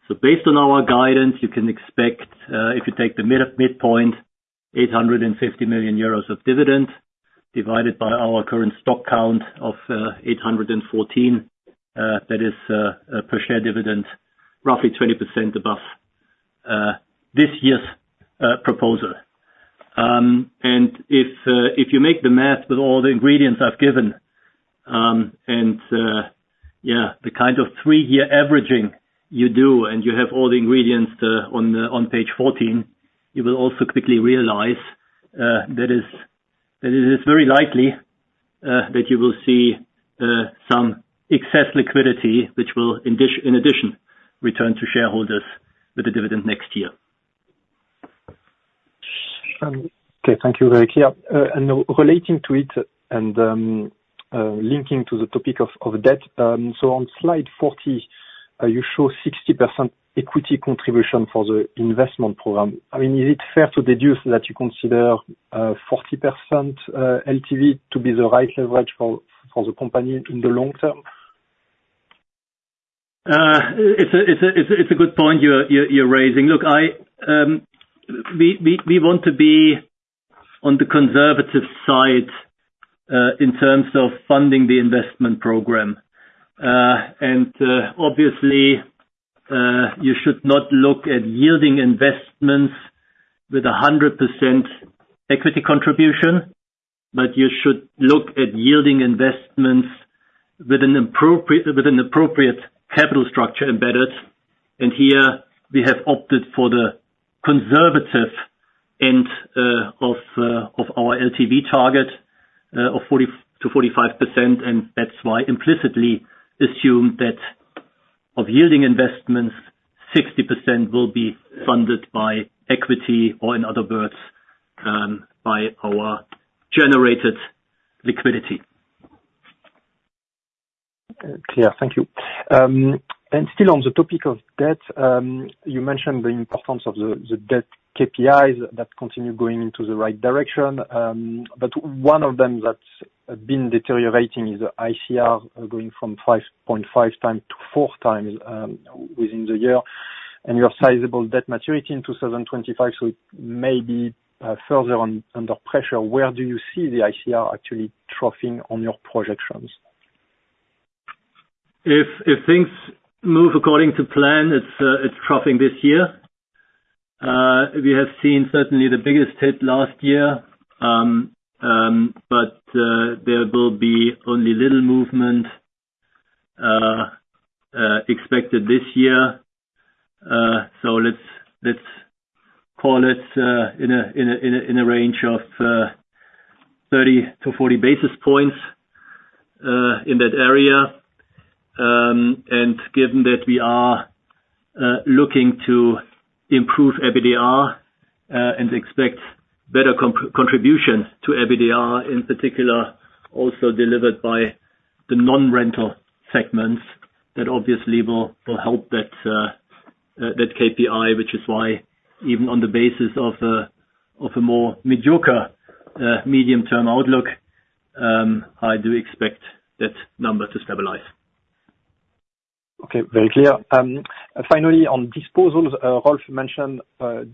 So based on our guidance, you can expect, if you take the midpoint, 850 million euros of dividend, divided by our current stock count of 814, that is, a per share dividend, roughly 20% above this year's proposal. And if you make the math with all the ingredients I've given, and the kind of 3-year averaging you do, and you have all the ingredients on the on page 14, you will also quickly realize, that is, that it is very likely that you will see some excess liquidity which will in addition return to shareholders with the dividend next year. Okay, thank you, very clear. And relating to it, and linking to the topic of debt. So on slide 40, you show 60% equity contribution for the investment program. I mean, is it fair to deduce that you consider 40% LTV to be the right leverage for the company in the long term? It's a good point you're raising. Look, we want to be on the conservative side in terms of funding the investment program. And obviously, you should not look at yielding investments with a 100% equity contribution, but you should look at yielding investments with an appropriate capital structure embedded. And here we have opted for the conservative end of our LTV target of 40%-45%, and that's why implicitly assume that of yielding investments, 60% will be funded by equity, or in other words, by our generated liquidity. Clear. Thank you. And still on the topic of debt, you mentioned the importance of the debt KPIs that continue going into the right direction. But one of them that's been deteriorating is the ICR, going from 5.5x to 4x, within the year, and your sizable debt maturity in 2025, so it may be further under pressure. Where do you see the ICR actually troughing on your projections? If things move according to plan, it's troughing this year. We have seen certainly the biggest hit last year. But there will be only little movement expected this year. So let's call it in a range of 30-40 basis points in that area. And given that we are looking to improve EBITDA and expect better contribution to EBITDA, in particular, also delivered by the non-rental segments, that obviously will help that KPI. Which is why, even on the basis of a more mediocre medium-term outlook, I do expect that number to stabilize. Okay, very clear. Finally, on disposals, Rolf mentioned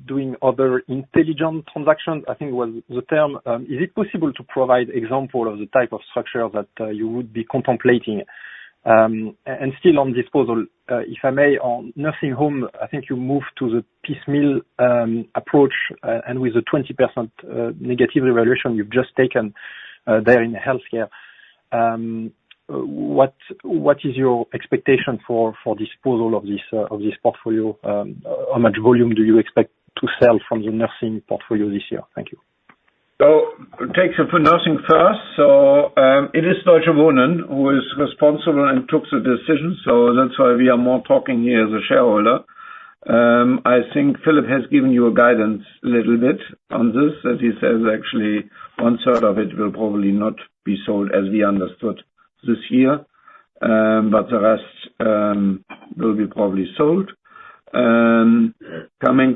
doing other intelligent transactions, I think was the term. Is it possible to provide example of the type of structure that you would be contemplating? And still on disposal, if I may, on nursing home, I think you moved to the piecemeal approach, and with the 20% negative evaluation you've just taken there in healthcare. What is your expectation for disposal of this portfolio? How much volume do you expect to sell from the nursing portfolio this year? Thank you. So take for nursing first. It is Deutsche Wohnen who is responsible and took the decision, so that's why we are more talking here as a shareholder. I think Philip has given you a guidance a little bit on this, that he says actually one third of it will probably not be sold, as we understood, this year. But the rest will be probably sold. Coming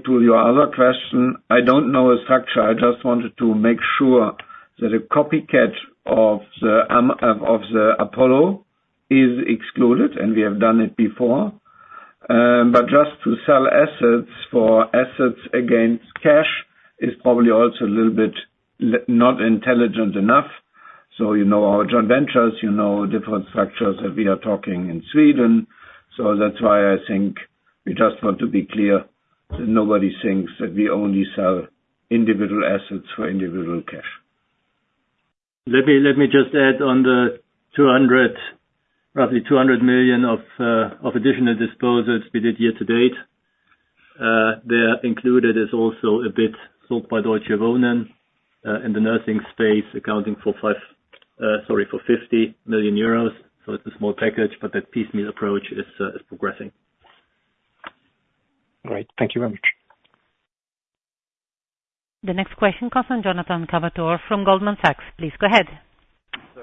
to your other question, I don't know the structure. I just wanted to make sure that a copycat of the Apollo is excluded, and we have done it before. But just to sell assets for assets against cash is probably also a little bit not intelligent enough. You know, our joint ventures, you know different structures that we are talking in Sweden. That's why I think we just want to be clear that nobody thinks that we only sell individual assets for individual cash. Let me, let me just add on the 200, roughly 200 million of additional disposals we did year to date. There included is also a bit sold by Deutsche Wohnen, in the nursing space, accounting for 5, sorry, for 50 million euros. So it's a small package, but that piecemeal approach is, is progressing. Great. Thank you very much. The next question comes from Jonathan Kownator from Goldman Sachs. Please go ahead.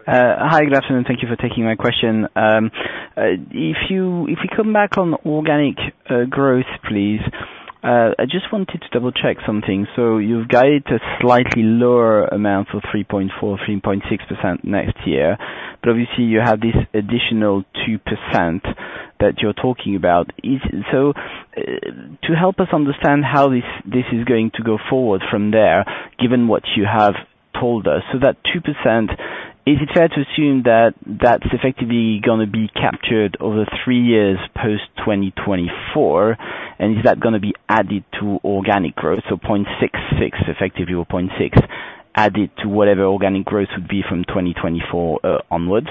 Hi, good afternoon, thank you for taking my question. If you come back on organic growth, please, I just wanted to double check something. So you've guided a slightly lower amount of 3.4-3.6% next year, but obviously you have this additional 2% that you're talking about. So to help us understand how this is going to go forward from there, given what you have told us, so that 2%, is it fair to assume that that's effectively gonna be captured over three years post 2024? And is that gonna be added to organic growth, so 0.66 effectively, or 0.6, added to whatever organic growth would be from 2024 onwards?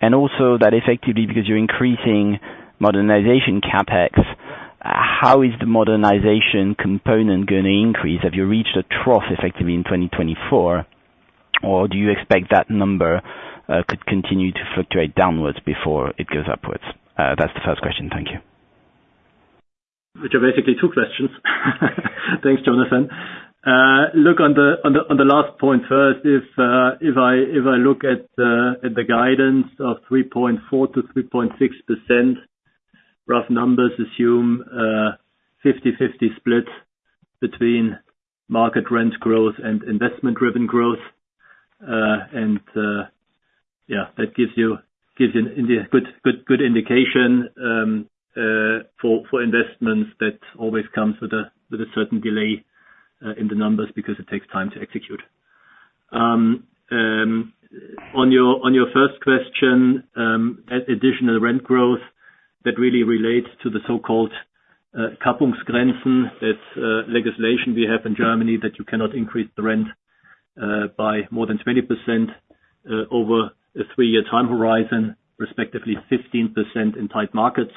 And also, that effectively, because you're increasing modernization CapEx, how is the modernization component going to increase? Have you reached a trough effectively in 2024, or do you expect that number could continue to fluctuate downwards before it goes upwards? That's the first question. Thank you. Which are basically two questions. Thanks, Jonathan. Look, on the last point first, if I look at the guidance of 3.4%-3.6%, rough numbers assume a 50/50 split between market rent growth and investment-driven growth and yeah, that gives you a good indication for investments that always comes with a certain delay in the numbers because it takes time to execute. On your first question, at additional rent growth, that really relates to the so-called Kappungsgrenze. It's legislation we have in Germany, that you cannot increase the rent by more than 20% over a three-year time horizon, respectively, 15% in tight markets.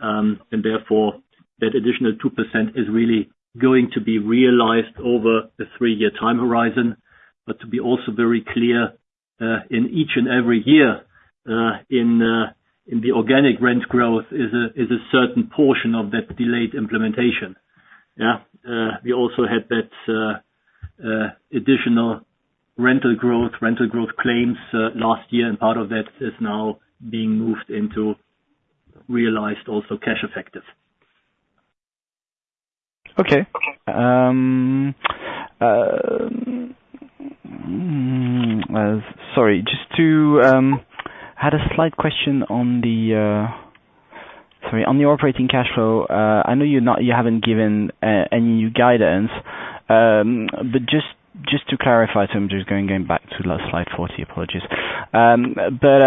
And therefore, that additional 2% is really going to be realized over the three-year time horizon. But to be also very clear, in each and every year, in the organic rent growth, is a certain portion of that delayed implementation. Yeah. We also had that, additional rental growth, rental growth claims, last year, and part of that is now being moved into realized also cash effective. Okay. Sorry, just to had a slight question on the- sorry, on the operating cash flow. I know you're not—you haven't given any new guidance, but just to clarify, so I'm just going back to the last slide 40, apologies. But,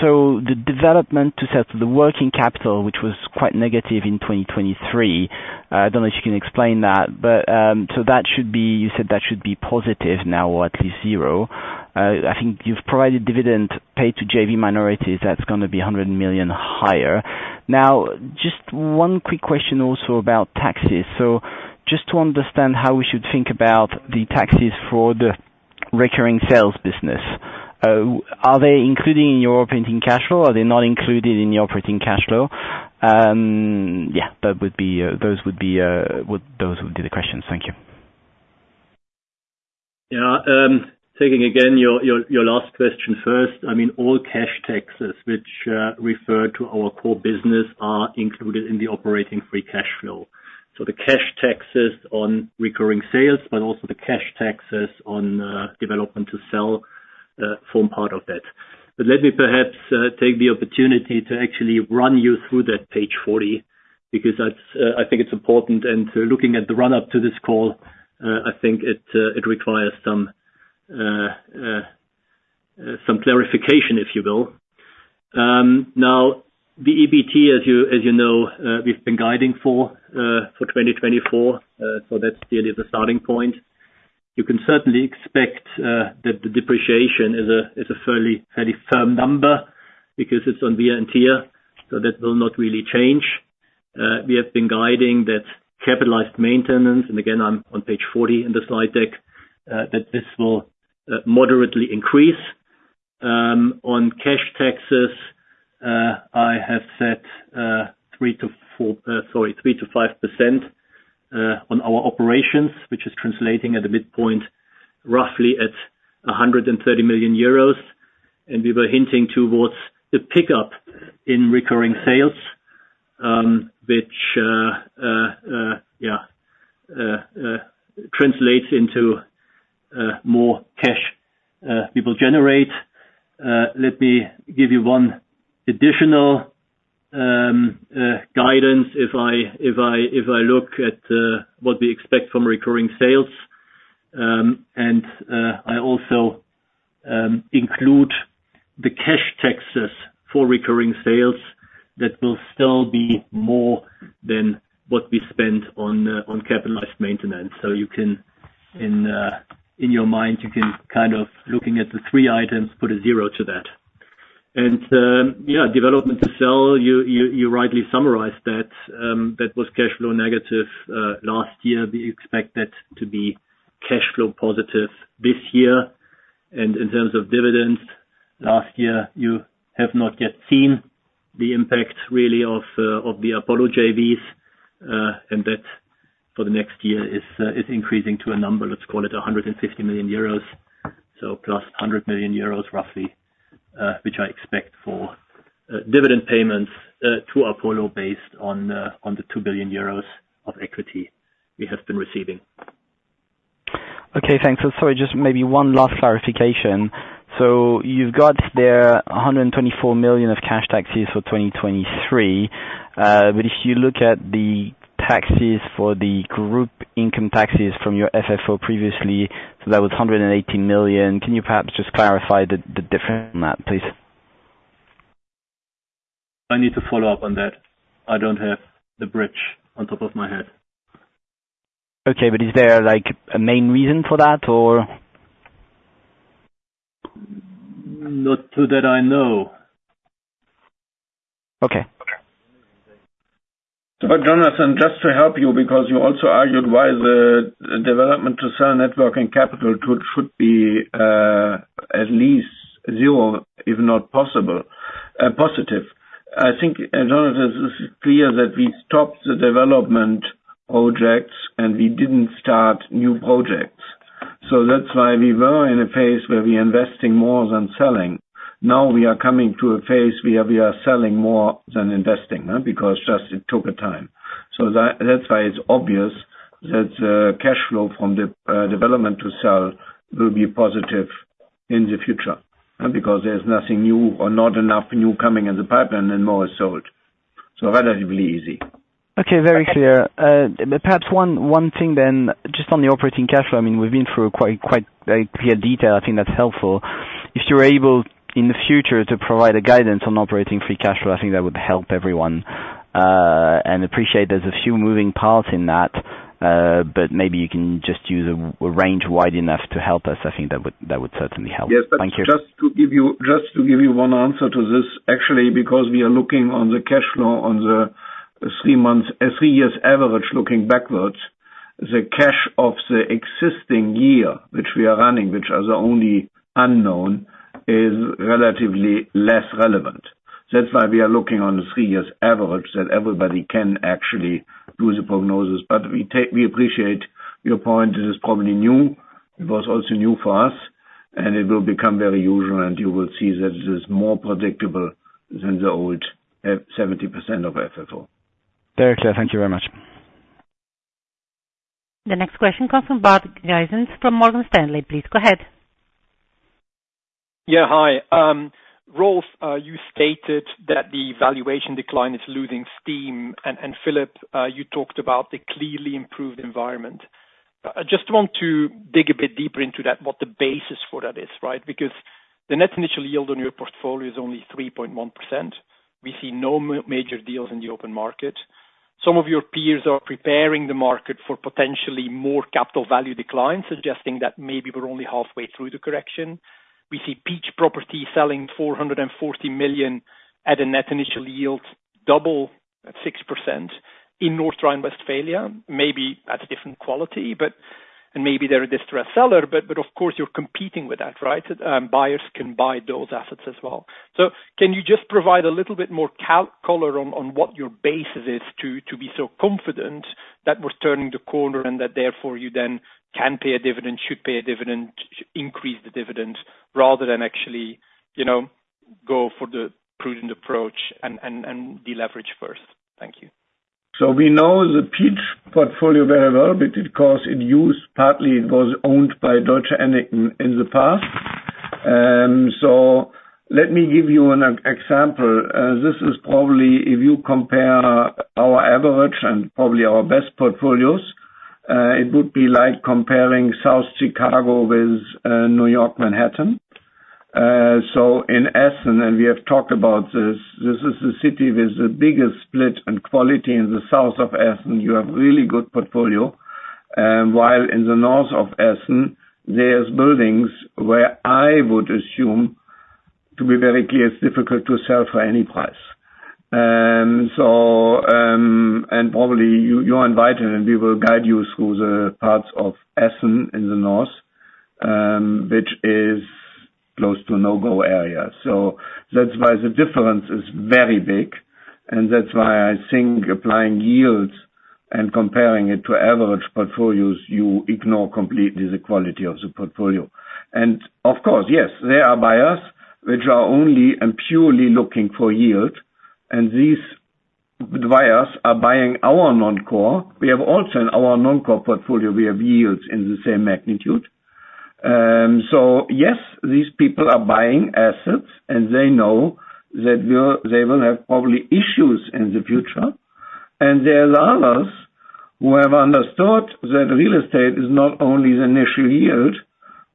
so the development to sell the working capital, which was quite negative in 2023, I don't know if you can explain that, but, so that should be, you said that should be positive now, or at least zero. I think you've provided dividend paid to JV minorities, that's gonna be 100 million higher. Now, just one quick question also about taxes. So just to understand how we should think about the taxes for the recurring sales business. Are they included in your operating cash flow? Are they not included in your operating cash flow? Yeah, those would be the questions. Thank you. Yeah. Taking again your last question first. I mean, all cash taxes, which refer to our core business, are included in the operating free cash flow. So the cash taxes on recurring sales, but also the cash taxes on development to sell, form part of that. But let me perhaps take the opportunity to actually run you through that page 40, because that's, I think it's important. And looking at the run-up to this call, I think it requires some clarification, if you will. Now, the EBT, as you know, we've been guiding for 2024, so that's really the starting point. You can certainly expect that the depreciation is a fairly firm number, because it's on VA and TA, so that will not really change. We have been guiding that capitalized maintenance, and again, I'm on page 40 in the slide deck, that this will moderately increase. On cash taxes, I have said 3%-5% on our operations, which is translating at a midpoint, roughly at 130 million euros. And we were hinting towards the pickup in recurring sales, which translates into more cash we will generate. Let me give you one additional guidance. If I look at what we expect from recurring sales, and I also include the cash taxes for recurring sales, that will still be more than what we spent on capitalized maintenance. So you can in your mind, you can kind of looking at the three items, put a zero to that. And yeah, development to sell, you rightly summarized that, that was cash flow negative last year. We expect that to be cash flow positive this year. And in terms of dividends, last year, you have not yet seen the impact really, of the Apollo JVs, and that for the next year is increasing to a number, let's call it 150 million euros. Plus 100 million euros roughly, which I expect for dividend payments to Apollo based on the 2 billion euros of equity we have been receiving. Okay, thanks. So sorry, just maybe one last clarification. So you've got there 124 million of cash taxes for 2023. But if you look at the taxes for the group income taxes from your FFO previously, so that was 118 million. Can you perhaps just clarify the difference on that, please? I need to follow up on that. I don't have the bridge on top of my head. Okay, but is there, like, a main reason for that, or? Not that I know. Okay. But Jonathan, just to help you, because you also argued why the, the development to sell working capital should, should be at least zero, if not possible, positive. I think, Jonathan, this is clear that we stopped the development projects and we didn't start new projects. So that's why we were in a phase where we investing more than selling. Now, we are coming to a phase where we are selling more than investing, because just it took a time. So that, that's why it's obvious that cash flow from the development to sell will be positive in the future, because there's nothing new or not enough new coming in the pipeline and more is sold. So relatively easy. Okay, very clear. Perhaps one thing then, just on the operating cash flow. I mean, we've been through quite very clear detail. I think that's helpful. If you're able, in the future, to provide a guidance on operating free cash flow, I think that would help everyone. And appreciate there's a few moving parts in that, but maybe you can just use a range wide enough to help us. I think that would certainly help. Yes. Thank you. Just to give you, just to give you one answer to this, actually, because we are looking on the cash flow on the, the three months, three years average, looking backwards, the cash of the existing year, which we are running, which are the only unknown, is relatively less relevant. That's why we are looking on the three years average, that everybody can actually do the prognosis. But we take-- we appreciate your point. This is probably new. It was also new for us, and it will become very usual, and you will see that it is more predictable than the old at 70% of FFO. Very clear. Thank you very much. The next question comes from Bart Gysens, from Morgan Stanley. Please go ahead. Yeah, hi. Rolf, you stated that the valuation decline is losing steam, and Philip, you talked about the clearly improved environment. I just want to dig a bit deeper into that, what the basis for that is, right? Because the net initial yield on your portfolio is only 3.1%. We see no major deals in the open market. Some of your peers are preparing the market for potentially more capital value declines, suggesting that maybe we're only halfway through the correction. We see Peach Property selling 440 million at a net initial yield, double at 6% in North Rhine-Westphalia. Maybe that's a different quality, but and maybe they're a distressed seller, but of course, you're competing with that, right? Buyers can buy those assets as well. So, can you just provide a little bit more color on what your basis is to be so confident that we're turning the corner, and that therefore you then can pay a dividend, should pay a dividend, increase the dividend, rather than actually, you know, go for the prudent approach and deleverage first? Thank you. So we know the Peach portfolio very well, because in essence, partly, it was owned by Deutsche Annington in the past. So let me give you an example. This is probably, if you compare our average and probably our best portfolios, it would be like comparing South Chicago with New York, Manhattan. So in Essen, and we have talked about this, this is a city with the biggest split in quality. In the south of Essen, you have really good portfolio, while in the north of Essen, there's buildings where I would assume, to be very clear, it's difficult to sell for any price. So, and probably you, you're invited, and we will guide you through the parts of Essen in the north, which is close to a no-go area. So that's why the difference is very big, and that's why I think applying yields and comparing it to average portfolios, you ignore completely the quality of the portfolio. And of course, yes, there are buyers which are only and purely looking for yield, and these buyers are buying our non-core. We have also in our non-core portfolio, we have yields in the same magnitude. So yes, these people are buying assets, and they know that we are—they will have probably issues in the future. And there are others who have understood that real estate is not only the initial yield,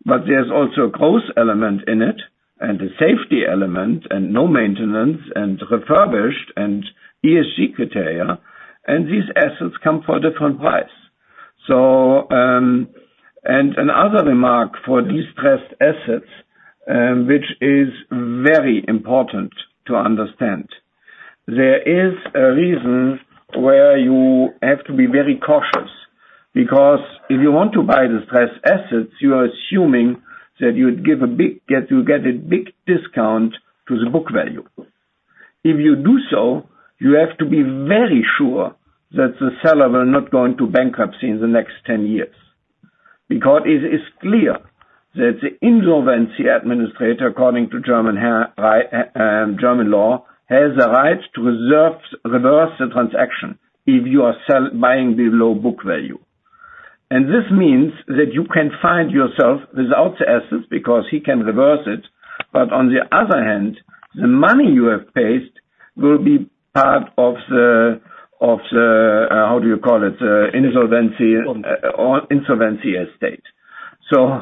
but there's also a cost element in it, and a safety element, and no maintenance, and refurbished, and ESG criteria, and these assets come for a different price. So and another remark for distressed assets, which is very important to understand, there is a reason where you have to be very cautious. Because if you want to buy distressed assets, you are assuming that you'd give a big-- that you'll get a big discount to the book value. If you do so, you have to be very sure that the seller will not go into bankruptcy in the next 10 years. Because it is clear that the insolvency administrator, according to German law, has the right to reverse the transaction, if you are buying below book value. And this means that you can find yourself without the assets, because he can reverse it. But on the other hand, the money you have paid will be part of the insolvency estate. So,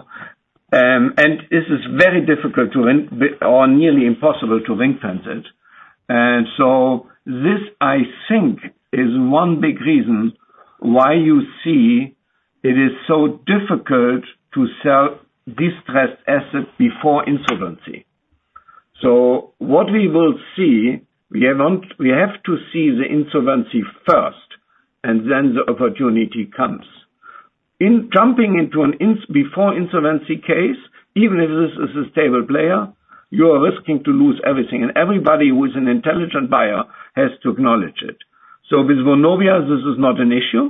and this is very difficult to win, or nearly impossible to win against it. And so this, I think, is one big reason why you see it is so difficult to sell distressed assets before insolvency. So what we will see, we have to see the insolvency first, and then the opportunity comes. In jumping into an insolvency before insolvency case, even if this is a stable player, you are risking to lose everything, and everybody who is an intelligent buyer has to acknowledge it. So with Vonovia, this is not an issue.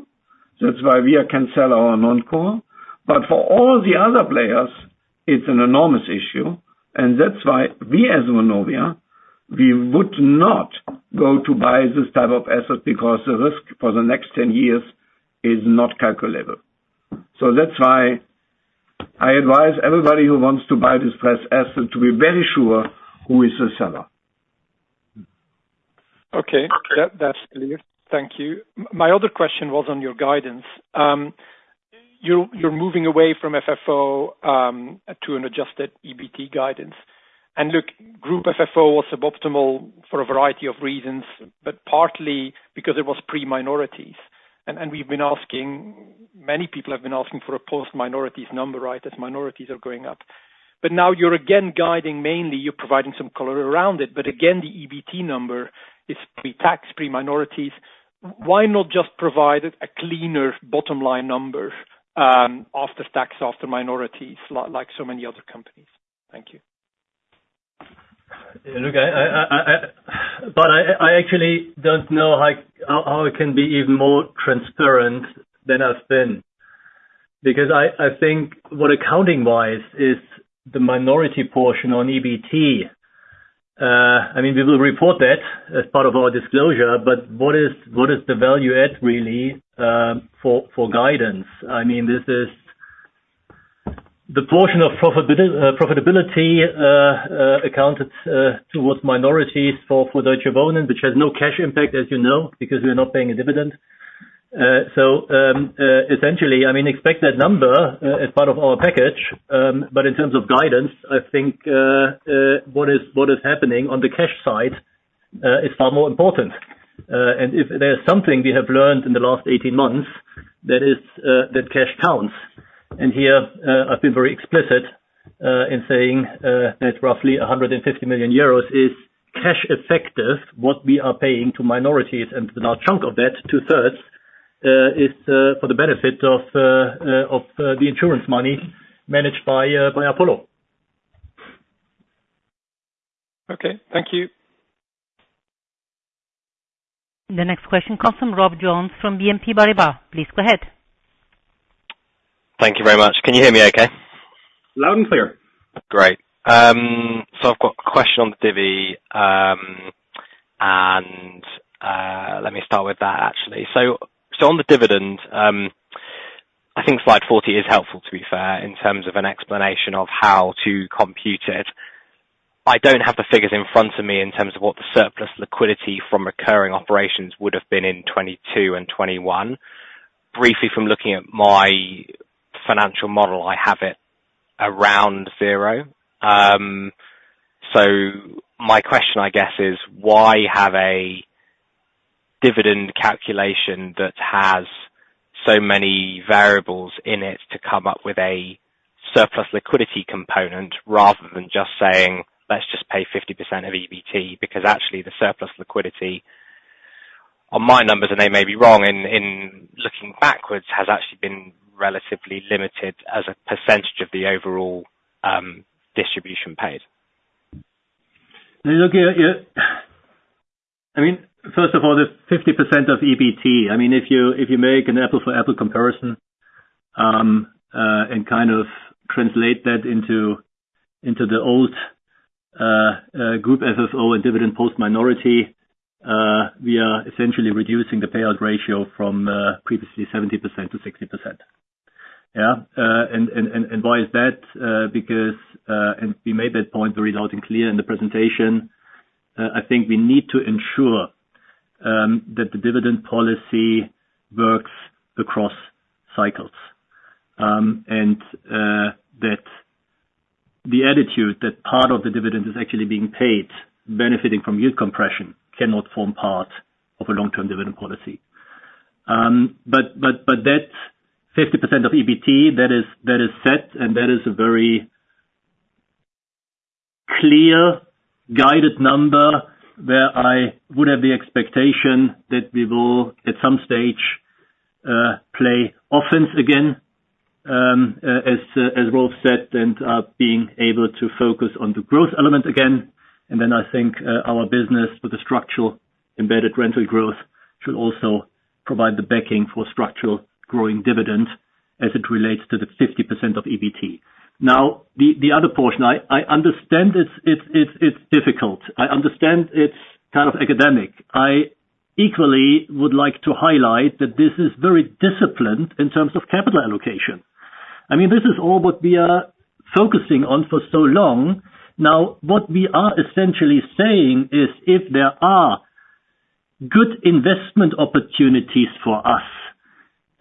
That's why we can sell our non-core. But for all the other players, it's an enormous issue, and that's why we as Vonovia, we would not go to buy this type of asset because the risk for the next 10 years is not calculable. So that's why I advise everybody who wants to buy this asset, to be very sure who is the seller. Okay. That, that's clear. Thank you. My other question was on your guidance. You, you're moving away from FFO to an adjusted EBT guidance. And look, Group FFO was suboptimal for a variety of reasons, but partly because it was pre-minorities. And we've been asking—many people have been asking for a post minorities number, right, as minorities are going up. But now you're again guiding, mainly you're providing some color around it, but again, the EBT number is pre-tax, pre-minorities. Why not just provide a cleaner bottom line number, after tax, after minorities, like so many other companies? Thank you. Look, but I actually don't know how I can be even more transparent than I've been. Because I think what accounting-wise is the minority portion on EBT, I mean, we will report that as part of our disclosure, but what is the value add really, for guidance? I mean, this is the portion of profitability accounted towards minorities for Deutsche Wohnen, which has no cash impact, as you know, because we're not paying a dividend. So essentially, I mean, expect that number as part of our package, but in terms of guidance, I think what is happening on the cash side is far more important. And if there's something we have learned in the last 18 months, that is, that cash counts. And here, I've been very explicit, in saying, that roughly 150 million euros is cash effective, what we are paying to minorities, and the large chunk of that, two-thirds, is for the benefit of the insurance money managed by Apollo. Okay, thank you. The next question comes from Rob Jones, from BNP Paribas. Please go ahead. Thank you very much. Can you hear me okay? Loud and clear. Great. So I've got a question on the divvy, and let me start with that, actually. So on the dividend, I think slide 40 is helpful, to be fair, in terms of an explanation of how to compute it. I don't have the figures in front of me in terms of what the surplus liquidity from recurring operations would have been in 2022 and 2021. Briefly, from looking at my financial model, I have it around 0. So my question, I guess, is why have a dividend calculation that has so many variables in it to come up with a surplus liquidity component, rather than just saying, "Let's just pay 50% of EBT?" Because actually, the surplus liquidity on my numbers, and I may be wrong, in looking backwards, has actually been relatively limited as a percentage of the overall, distribution paid. Look, yeah, yeah. I mean, first of all, this 50% of EBT, I mean, if you make an apple for apple comparison, and kind of translate that into the old group FFO and dividend post minority, we are essentially reducing the payout ratio from previously 70% to 60%. Yeah. And why is that? Because, and we made that point very loud and clear in the presentation, I think we need to ensure that the dividend policy works across cycles. And that the attitude that part of the dividend is actually being paid, benefiting from yield compression, cannot form part of a long-term dividend policy. But that 50% of EBT, that is set, and that is a very clear guided number, where I would have the expectation that we will, at some stage, play offense again, as Rolf said, and being able to focus on the growth element again. And then I think our business with the structural embedded rental growth should also provide the backing for structural growing dividends as it relates to the 50% of EBT. Now, the other portion, I understand it's difficult. I understand it's kind of academic. I equally would like to highlight that this is very disciplined in terms of capital allocation. I mean, this is all what we are focusing on for so long. Now, what we are essentially saying is, if there are good investment opportunities for us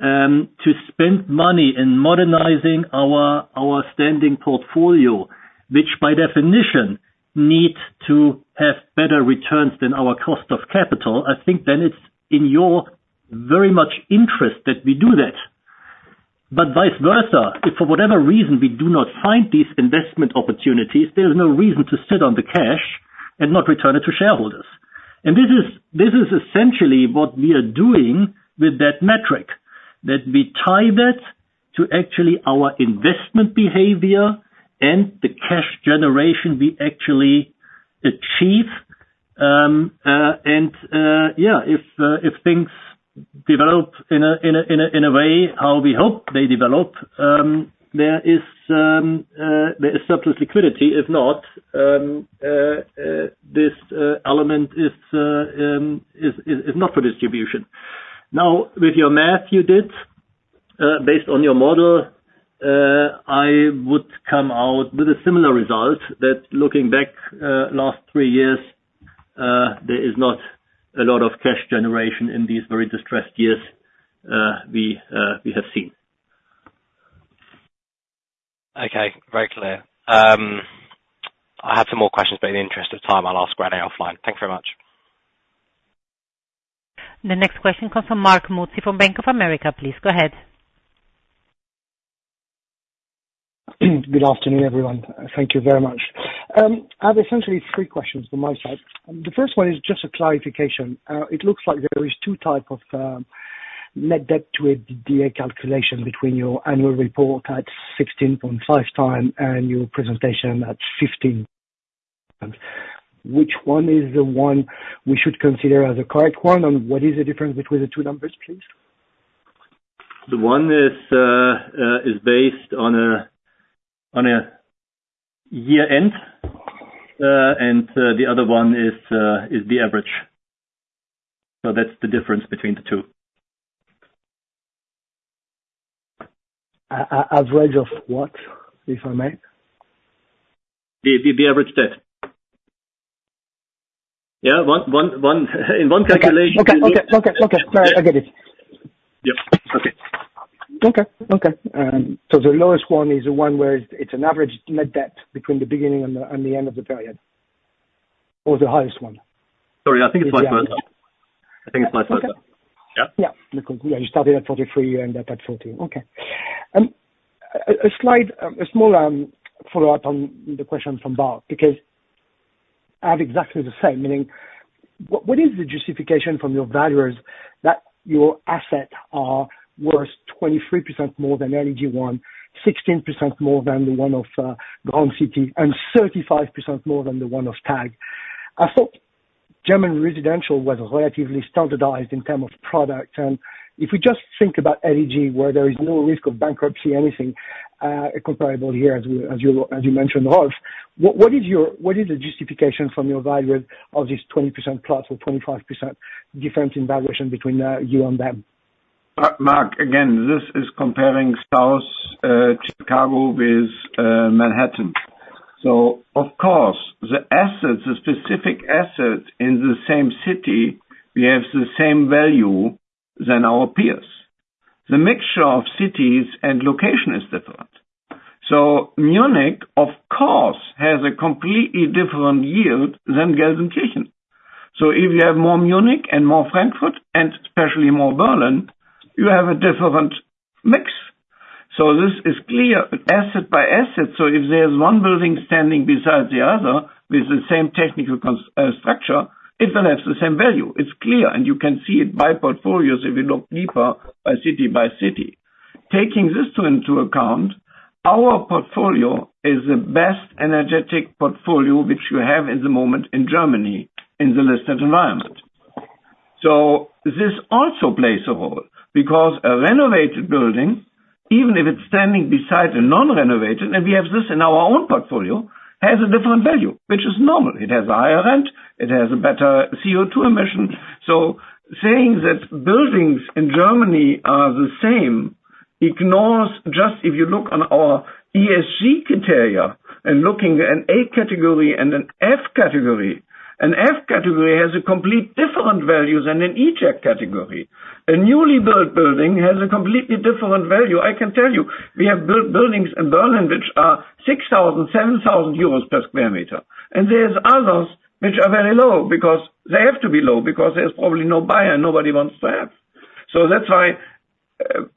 to spend money in modernizing our standing portfolio, which by definition need to have better returns than our cost of capital, I think then it's in your very much interest that we do that. But vice versa, if for whatever reason, we do not find these investment opportunities, there is no reason to sit on the cash and not return it to shareholders. And this is essentially what we are doing with that metric, that we tie that to actually our investment behavior and the cash generation we actually achieve. And if things develop in a way how we hope they develop, there is surplus liquidity. If not, this element is not for distribution. Now, with your math you did, based on your model, I would come out with a similar result, that looking back, last three years, there is not a lot of cash generation in these very distressed years, we have seen. Okay, very clear. I have some more questions, but in the interest of time, I'll ask offline. Thank you very much. The next question comes from Marc Mozzi from Bank of America. Please, go ahead. Good afternoon, everyone. Thank you very much. I have essentially three questions from my side. The first one is just a clarification. It looks like there is two type of net debt to EBITDA calculation between your annual report at 16.5 times and your presentation at 15. Which one is the one we should consider as the correct one, and what is the difference between the two numbers, please? The one is based on a year-end, and the other one is the average. So that's the difference between the two. Average of what, if I may? The average debt. Yeah, one in one calculation- Okay, okay, okay, okay. No, I get it. Yep. Okay. Okay, okay. So the lowest one is the one where it's an average net debt between the beginning and the end of the period, or the highest one? Sorry, I think it's vice versa. I think it's vice versa. Okay. Yeah. Yeah. You started at 43, you ended up at 14. Okay. A slight, small follow-up on the question from Bob, because I have exactly the same, meaning what is the justification from your valuers that your assets are worth 23% more than LEG one, 16% more than the one of Grand City, and 35% more than the one of TAG? I thought German residential was relatively standardized in terms of product, and if we just think about LEG, where there is no risk of bankruptcy or anything comparable here, as we, as you, as you mentioned, Rolf, what is your-- What is the justification from your valuer of this 20% plus or 25% difference in valuation between you and them? Marc, again, this is comparing South Chicago with Manhattan. So of course, the assets, the specific assets in the same city, we have the same value than our peers. The mixture of cities and location is different. So Munich, of course, has a completely different yield than Gelsenkirchen. So if you have more Munich and more Frankfurt, and especially more Berlin, you have a different mix. So this is clear, asset by asset. So if there's one building standing beside the other, with the same technical con- structure, it will have the same value. It's clear, and you can see it by portfolios if you look deeper by city by city. Taking this into account, our portfolio is the best energetic portfolio which you have at the moment in Germany, in the listed environment. So this also plays a role, because a renovated building, even if it's standing beside a non-renovated, and we have this in our own portfolio, has a different value, which is normal. It has a higher rent, it has a better CO2 emission. So saying that buildings in Germany are the same, ignores just If you look on our ESG criteria, and looking at an A category and an F category, an F category has a completely different value than an E category. A newly built building has a completely different value. I can tell you, we have built buildings in Berlin which are 6,000-7,000 euros per square meter. And there's others which are very low, because they have to be low, because there's probably no buyer, nobody wants to have. So that's why,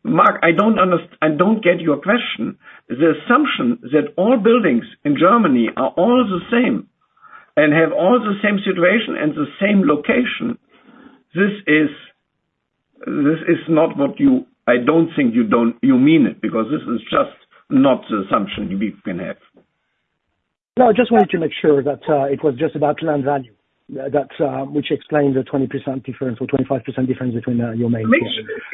Mark, I don't get your question. The assumption that all buildings in Germany are all the same, and have all the same situation, and the same location, this is not what you—I don't think you don't, you mean it, because this is just not the assumption we can have. No, I just wanted to make sure that it was just about land value, that which explains the 20% difference or 25% difference between your main.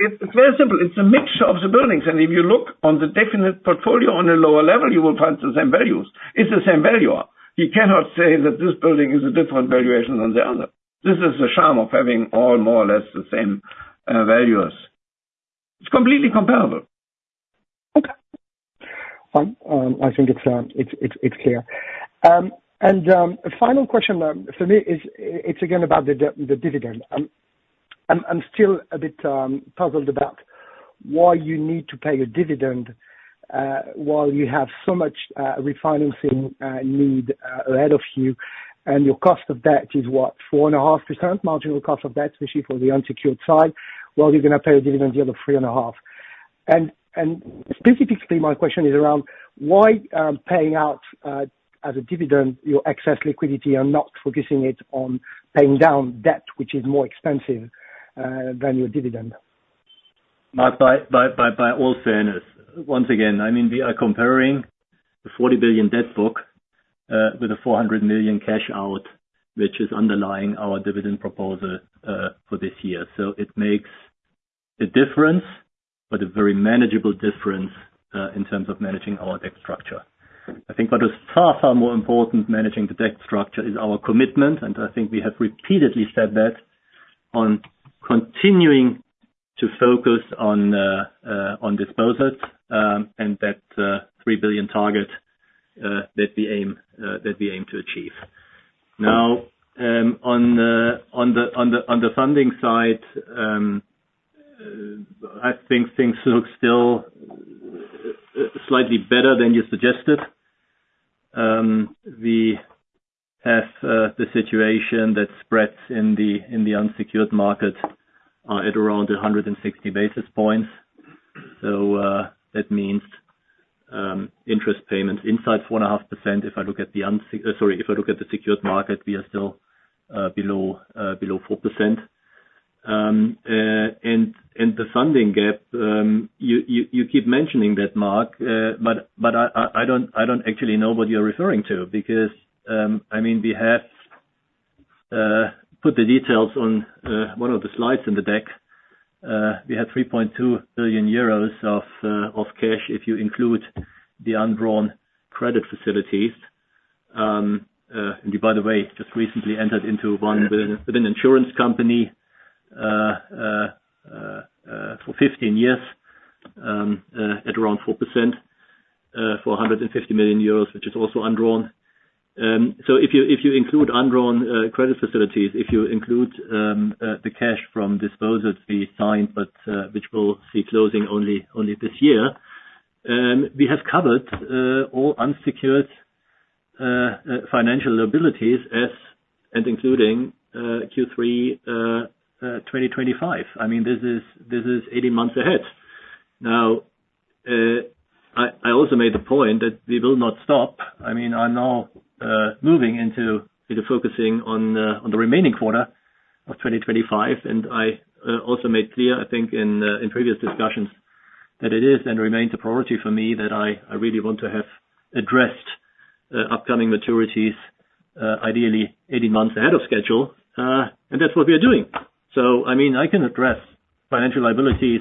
It's very simple. It's a mixture of the buildings, and if you look on the detailed portfolio on a lower level, you will find the same values. It's the same value. You cannot say that this building is a different valuation than the other. This is the charm of having all more or less the same valuers. It's completely comparable. Okay. I think it's clear. And final question for me is it's again about the dividend. I'm still a bit puzzled about why you need to pay a dividend while you have so much refinancing need ahead of you, and your cost of debt is what? 4.5% marginal cost of debt, especially for the unsecured side, while you're gonna pay a dividend yield of 3.5%. And specifically, my question is around why paying out as a dividend your excess liquidity, and not focusing it on paying down debt, which is more expensive than your dividend? Mark, by all fairness, once again, I mean, we are comparing the 40 billion debt book with a 400 million cash out, which is underlying our dividend proposal for this year. So it makes a difference, but a very manageable difference in terms of managing our debt structure. I think what is far, far more important, managing the debt structure is our commitment, and I think we have repeatedly said that on continuing to focus on on disposals, and that three billion target that we aim that we aim to achieve. Now, on the funding side, I think things look still slightly better than you suggested. We have the situation that spreads in the unsecured market at around 160 basis points. So, that means interest payments inside 4.5%. If I look at the secured market, we are still below 4%. And the funding gap, you keep mentioning that, Mark, but I don't actually know what you're referring to. Because, I mean, we have put the details on one of the slides in the deck. We have 3.2 billion euros of cash, if you include the undrawn credit facilities. And by the way, just recently entered into one with an insurance company for 15 years at around 4% for 150 million euros, which is also undrawn. So if you include undrawn credit facilities, if you include the cash from disposals we signed, but which will see closing only this year, we have covered all unsecured financial liabilities as and including Q3 2025. I mean, this is 80 months ahead. Now, I also made the point that we will not stop. I mean, I'm now moving into focusing on the, on the remaining quarter of 2025, and I also made clear, I think in, in previous discussions, that it is and remains a priority for me, that I, I really want to have addressed upcoming maturities, ideally 80 months ahead of schedule, and that's what we are doing. So I mean, I can address financial liabilities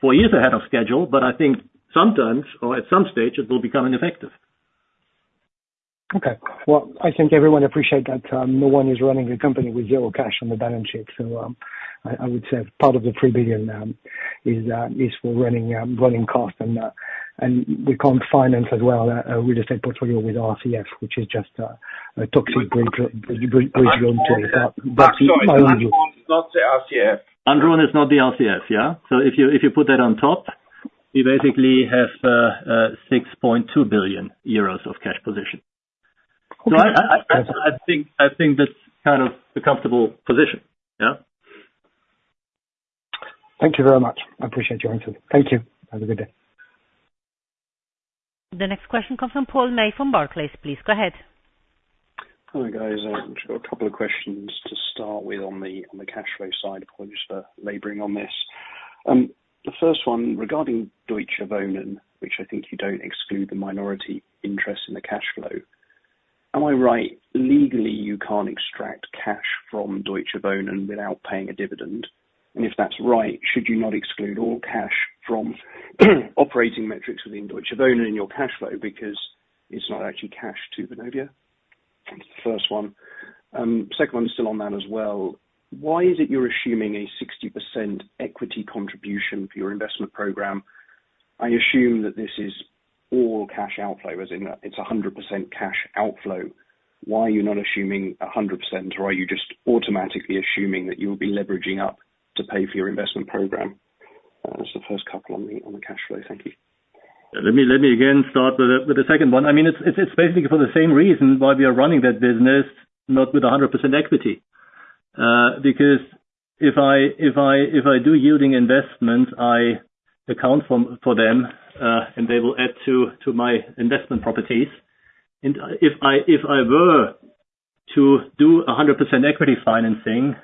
4 years ahead of schedule, but I think sometimes or at some stage, it will become ineffective. Okay. Well, I think everyone appreciate that, no one is running the company with zero cash on the balance sheet. So, I would say part of the 3 billion is for running costs, and we can't finance as well a real estate portfolio with RCF, which is just a toxic bridge loan. Sorry, undrawn is not the RCF. Undrawn is not the RCF, yeah? So if you put that on top, we basically have 6.2 billion euros of cash position. So I think that's kind of a comfortable position, yeah? Thank you very much. I appreciate your input. Thank you. Have a good day. The next question comes from Paul May from Barclays. Please go ahead. Hello, guys. I've just got a couple of questions to start with on the cash flow side, apologies for laboring on this. The first one, regarding Deutsche Wohnen, which I think you don't exclude the minority interest in the cash flow. Am I right, legally, you can't extract cash from Deutsche Wohnen without paying a dividend? And if that's right, should you not exclude all cash from operating metrics within Deutsche Wohnen in your cash flow, because it's not actually cash to Vonovia? That's the first one. Second one is still on that as well. Why is it you're assuming a 60% equity contribution for your investment program? I assume that this is all cash outflow, as in it's a 100% cash outflow. Why are you not assuming 100%, or are you just automatically assuming that you'll be leveraging up to pay for your investment program? That's the first couple on the cash flow. Thank you. Let me again start with the second one. I mean, it's basically for the same reason why we are running that business, not with 100% equity. Because if I do yielding investments, I account for them, and they will add to my investment properties. And if I were to do 100% equity financing,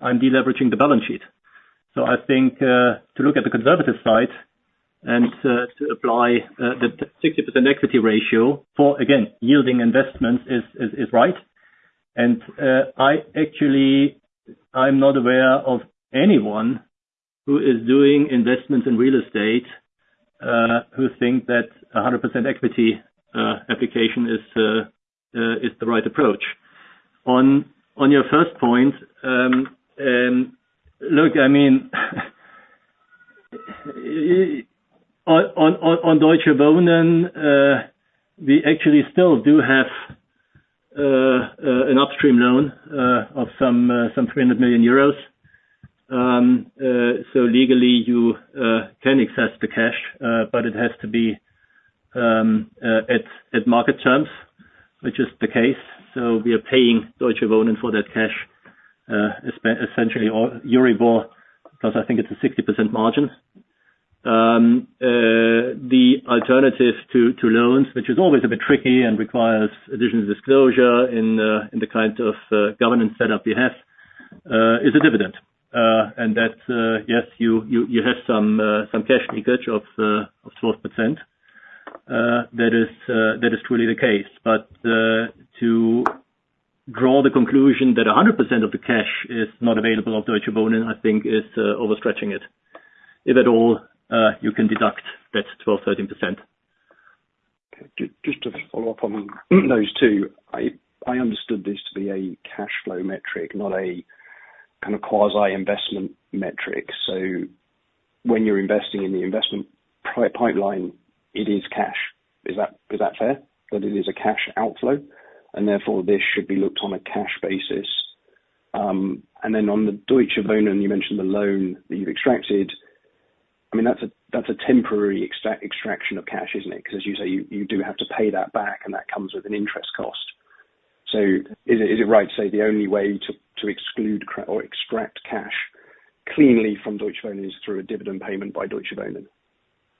I'm deleveraging the balance sheet. So I think to look at the conservative side and to apply the 60% equity ratio for, again, yielding investments, is right. And I actually I'm not aware of anyone who is doing investments in real estate who think that 100% equity application is the right approach. On your first point, look, I mean, on Deutsche Wohnen, we actually still do have an upstream loan of some 300 million euros. So legally, you can access the cash, but it has to be at market terms, which is the case. So we are paying Deutsche Wohnen for that cash, essentially, or Euribor, plus I think it's a 60% margin. The alternative to loans, which is always a bit tricky and requires additional disclosure in the kind of governance setup we have, is a dividend. And that, yes, you have some cash leakage of 12%. That is truly the case. But to draw the conclusion that 100% of the cash is not available of Deutsche Wohnen, I think is overstretching it. If at all, you can deduct that 12%-13%. Okay. Just to follow up on those two, I understood this to be a cash flow metric, not a kind of quasi investment metric. So when you're investing in the investment pipeline, it is cash. Is that fair? That it is a cash outflow, and therefore, this should be looked on a cash basis. And then on the Deutsche Wohnen, you mentioned the loan that you've extracted. I mean, that's a temporary extraction of cash, isn't it? Because as you say, you do have to pay that back, and that comes with an interest cost. So is it right to say the only way to exclude or extract cash cleanly from Deutsche Wohnen is through a dividend payment by Deutsche Wohnen?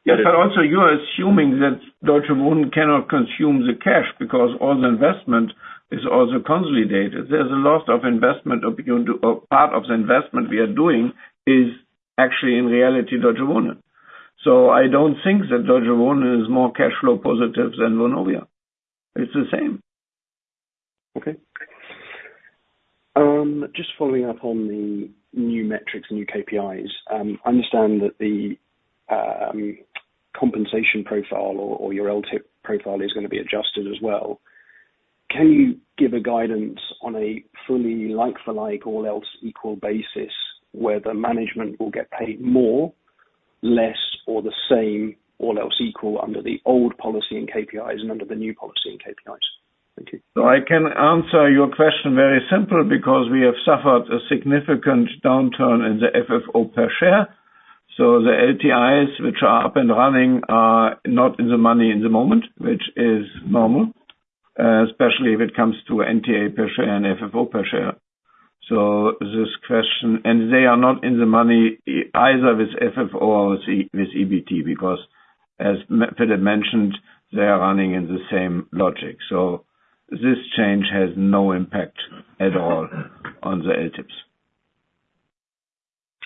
Yes, but also, you are assuming that Deutsche Wohnen cannot consume the cash because all the investment is also consolidated. There's a lot of investment of or part of the investment we are doing is actually, in reality, Deutsche Wohnen. So I don't think that Deutsche Wohnen is more cash flow positive than Vonovia. It's the same. Okay. Just following up on the new metrics, new KPIs, I understand that the compensation profile or your LTIP profile is gonna be adjusted as well. Can you give a guidance on a fully like-for-like, all else equal basis, where the management will get paid more, less, or the same, all else equal under the old policy and KPIs and under the new policy and KPIs? Thank you. So I can answer your question very simple, because we have suffered a significant downturn in the FFO per share. So the LTIs, which are up and running, are not in the money in the moment, which is normal, especially if it comes to NTA per share and FFO per share. So this question—and they are not in the money, either with FFO or with EBT, because as Philip mentioned, they are running in the same logic. So this change has no impact at all on the LTIPS.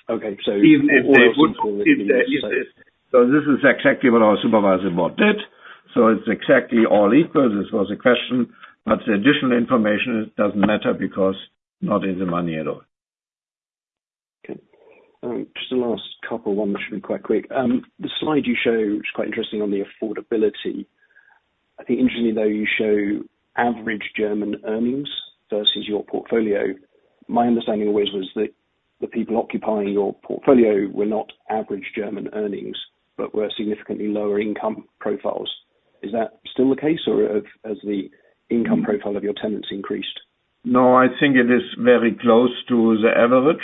Okay, so- Even if they would. So this is exactly what our Supervisory Board did. So it's exactly all equal. This was the question, but the additional information doesn't matter because not in the money at all. Okay. Just the last couple ones, should be quite quick. The slide you show, which is quite interesting on the affordability, I think interestingly, though, you show average German earnings versus your portfolio. My understanding always was that the people occupying your portfolio were not average German earnings, but were significantly lower income profiles. Is that still the case, or have, has the income profile of your tenants increased? No, I think it is very close to the average.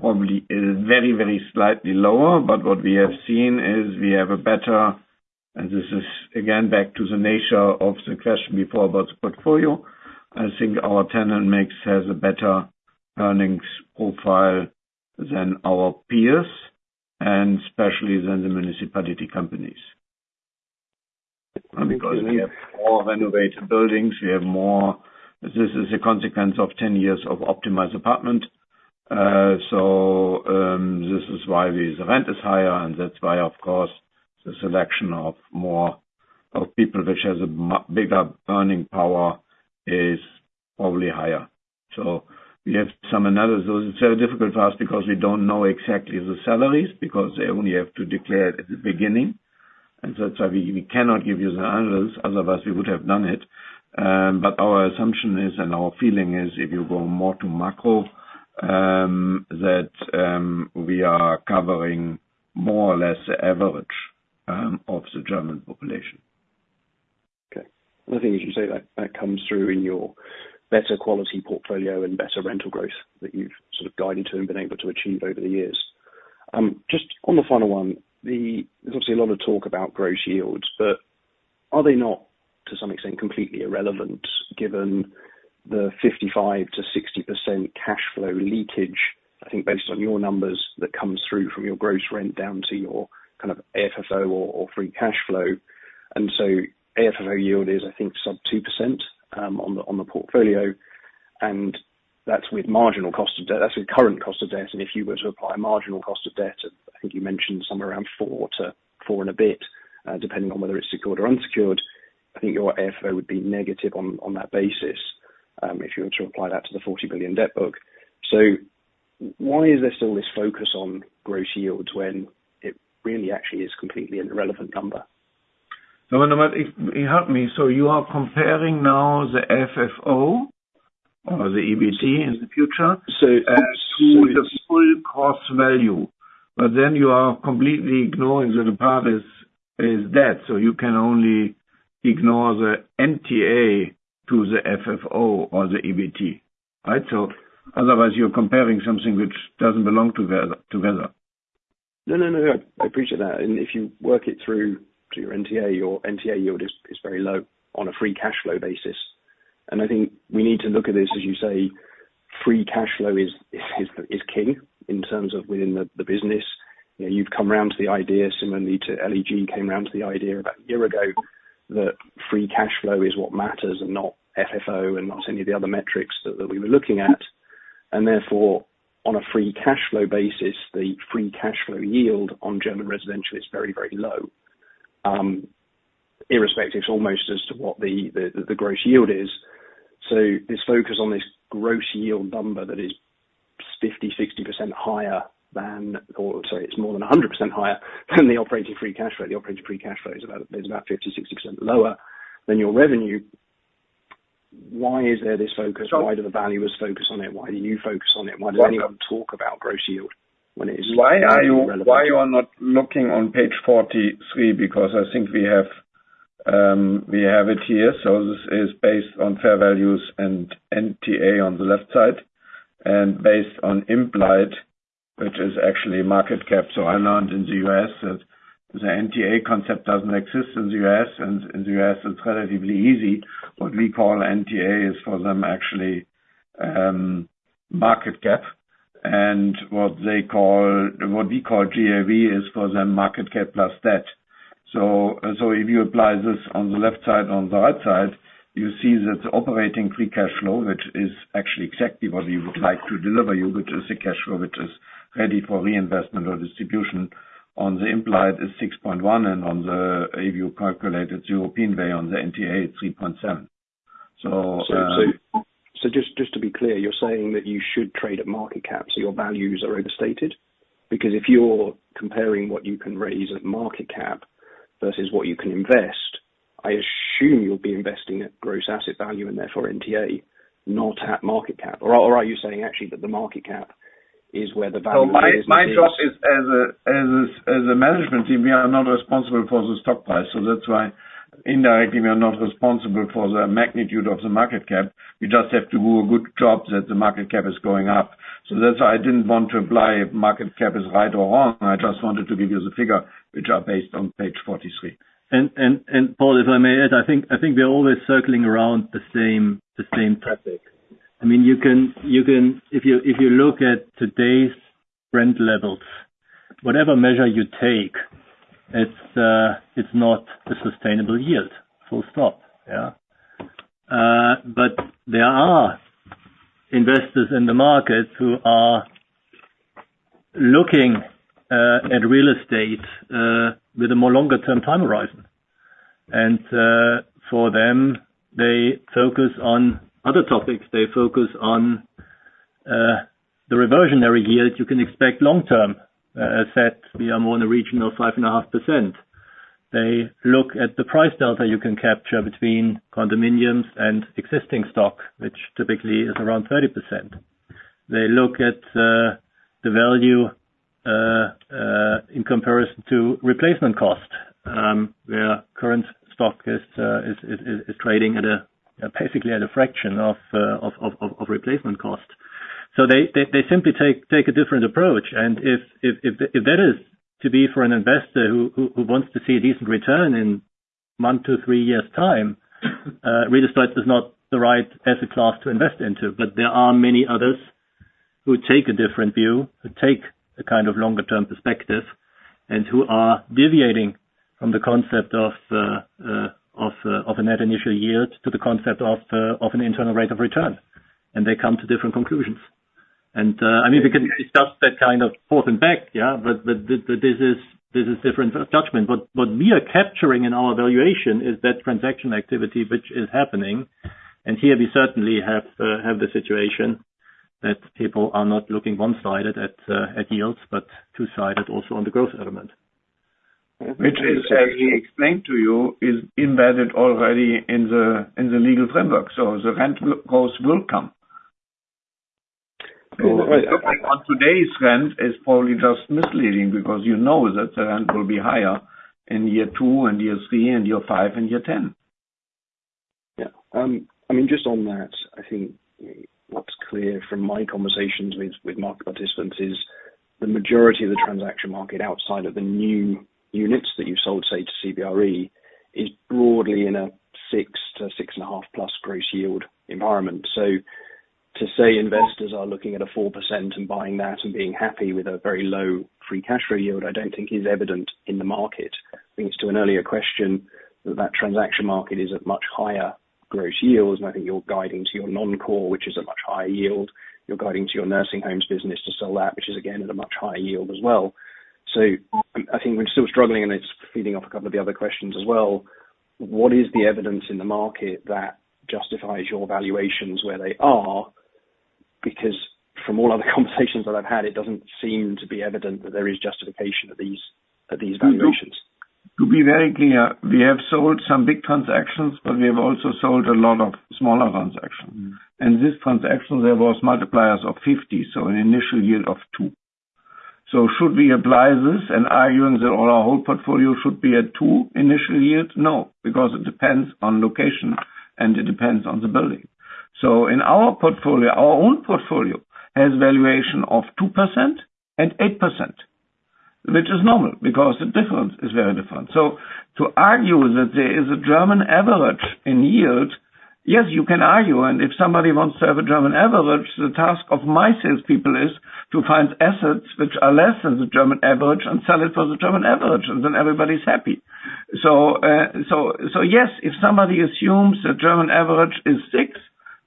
Probably it is very, very slightly lower, but what we have seen is we have a better. And this is again, back to the nature of the question before about the portfolio. I think our tenant mix has a better earnings profile than our peers and especially than the municipality companies. Because we have more renovated buildings, we have more. This is a consequence of ten years of optimized apartment. So, this is why the rent is higher, and that's why, of course, the selection of more, of people, which has a much bigger earning power, is probably higher. So we have some analysis. It's very difficult for us because we don't know exactly the salaries, because they only have to declare it at the beginning, and so that's why we cannot give you the analysis. Otherwise, we would have done it. But our assumption is, and our feeling is, if you go more to macro, that we are covering more or less the average, of the German population. Okay. One thing you should say, that, that comes through in your better quality portfolio and better rental growth that you've sort of guided to and been able to achieve over the years. Just on the final one, there's obviously a lot of talk about gross yields, but are they not, to some extent, completely irrelevant, given the 55%-60% cash flow leakage, I think, based on your numbers, that comes through from your gross rent down to your kind of FFO or, or free cash flow? And so FFO yield is, I think, sub 2%, on the, on the portfolio, and that's with marginal cost of debt- that's with current cost of debt. And if you were to apply marginal cost of debt, I think you mentioned somewhere around 4 to 4 and a bit, depending on whether it's secured or unsecured, I think your FFO would be negative on, on that basis, if you were to apply that to the 40 billion debt book. So why is there still this focus on gross yields when it really actually is completely an irrelevant number? No, no, but if, help me, so you are comparing now the FFO or the EBT in the future- So- To the full cost value, but then you are completely ignoring that the part is debt, so you can only compare the NTA to the FFO or the EBT. Right? So otherwise, you're comparing something which doesn't belong together. No, no, no. I appreciate that, and if you work it through to your NTA, your NTA yield is very low on a free cash flow basis. And I think we need to look at this, as you say, free cash flow is king in terms of within the business. You know, you've come around to the idea, similarly to LEG, came around to the idea about a year ago, that free cash flow is what matters and not FFO and not any of the other metrics that we were looking at. And therefore, on a free cash flow basis, the free cash flow yield on German residential is very, very low. Irrespective almost as to what the gross yield is. So this focus on this gross yield number that is 50-60% higher than, or sorry, it's more than 100% higher than the operating free cash flow. The operating free cash flow is about 50-60% lower than your revenue. Why is there this focus? Why do the valuers focus on it? Why do you focus on it? Why does anyone talk about gross yield when it is- Why are you not looking on page 43? Because I think we have it here. So this is based on fair values and NTA on the left side, and based on implied, which is actually market cap. So I learned in the US that the NTA concept doesn't exist in the US, and in the US, it's relatively easy. What we call NTA is for them, actually, market cap, and what they call—what we call GAV is for them, market cap plus debt. So, if you apply this on the left side, on the right side, you see that the operating free cash flow, which is actually exactly what we would like to deliver you, which is the cash flow, which is ready for reinvestment or distribution on the implied is 6.1, and on the, if you calculate it European way, on the NTA, it's 3.7. So, just to be clear, you're saying that you should trade at market cap, so your values are overstated? Because if you're comparing what you can raise at market cap versus what you can invest, I assume you'll be investing at gross asset value and therefore NTA, not at market cap. Or are you saying actually that the market cap is where the value of the business is? So my job is as a management team, we are not responsible for the stock price. So that's why indirectly, we are not responsible for the magnitude of the market cap. We just have to do a good job that the market cap is going up. So that's why I didn't want to apply if market cap is right or wrong. I just wanted to give you the figure, which are based on page 43. Paul, if I may add, I think we're always circling around the same topic. I mean, you can, if you look at today's rent levels, whatever measure you take, it's not a sustainable yield. Full stop. Yeah. But there are investors in the market who are looking at real estate with a more longer term time horizon. And for them, they focus on other topics. They focus on the reversionary yield you can expect long term, set beyond more in the region of 5.5%. They look at the price delta you can capture between condominiums and existing stock, which typically is around 30%. They look at the value in comparison to replacement cost, where current stock is trading at basically a fraction of replacement cost. So they simply take a different approach. And if that is to be for an investor who wants to see a decent return in 1-3 years' time, real estate is not the right asset class to invest into. But there are many others who take a different view, who take a kind of longer term perspective, and who are deviating from the concept of a net initial yield to the concept of an internal rate of return. And they come to different conclusions. I mean, we can discuss that kind of forth and back, yeah? But this is different judgment. But what we are capturing in our valuation is that transaction activity, which is happening, and here we certainly have the situation that people are not looking one-sided at yields, but two-sided also on the growth element. Which is, I explained to you, is embedded already in the, in the legal framework, so the rent growth will come. So- On today's rent is probably just misleading, because you know that the rent will be higher in year two and year three and year five and year ten. Yeah. I mean, just on that, I think what's clear from my conversations with market participants is, the majority of the transaction market outside of the new units that you've sold, say, to CBRE, is broadly in a 6-6.5+ gross yield environment. So to say investors are looking at a 4% and buying that and being happy with a very low free cash flow yield, I don't think is evident in the market. Brings to an earlier question, that transaction market is at much higher gross yields, and I think you're guiding to your non-core, which is a much higher yield. You're guiding to your nursing homes business to sell that, which is again, at a much higher yield as well. So I think we're still struggling, and it's feeding off a couple of the other questions as well. What is the evidence in the market that justifies your valuations where they are? Because from all other conversations that I've had, it doesn't seem to be evident that there is justification at these, at these valuations. To be very clear, we have sold some big transactions, but we have also sold a lot of smaller transactions. Mm. In this transaction, there was multipliers of 50, so an initial yield of 2%. Should we apply this and argue that all our whole portfolio should be at 2 initial yields? No, because it depends on location, and it depends on the building. In our portfolio, our own portfolio has valuation of 2% and 8%. Which is normal, because the difference is very different. To argue that there is a German average in yield, yes, you can argue, and if somebody wants to have a German average, the task of my salespeople is to find assets which are less than the German average and sell it for the German average, and then everybody's happy. So yes, if somebody assumes the German average is 6,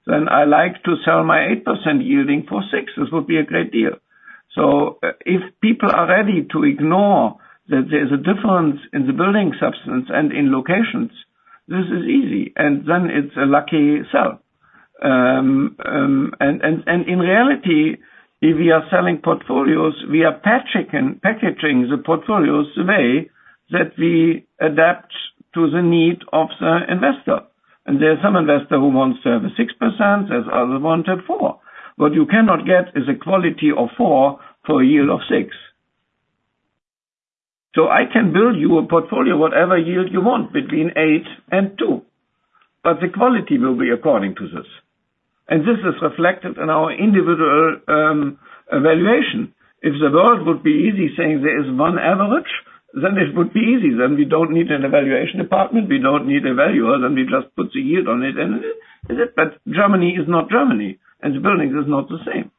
then I like to sell my 8% yielding for 6. This would be a great deal. So, if people are ready to ignore that there's a difference in the building substance and in locations, this is easy, and then it's a lucky sell. And in reality, if we are selling portfolios, we are packaging the portfolios the way that we adapt to the need of the investor. And there are some investors who want to have a 6%, there's other wanted 4%. What you cannot get is a quality of 4% for a yield of 6%. So I can build you a portfolio, whatever yield you want, between 8% and 2%, but the quality will be according to this, and this is reflected in our individual evaluation. If the world would be easy saying there is one average, then it would be easy, then we don't need an evaluation department, we don't need evaluators, and we just put the yield on it, and that's it. But Germany is not Germany, and the buildings is not the same.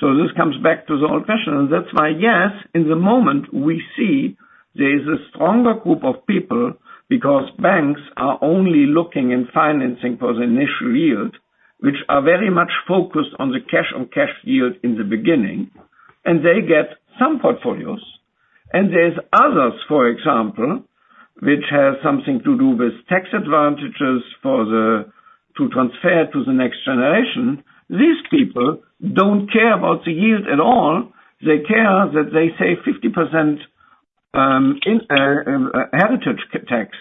So this comes back to the old question, and that's why, yes, in the moment, we see there is a stronger group of people, because banks are only looking in financing for the initial yield, which are very much focused on the cash, on cash yield in the beginning, and they get some portfolios. And there's others, for example, which has something to do with tax advantages for the-- to transfer to the next generation. These people don't care about the yield at all. They care that they save 50% in inheritance tax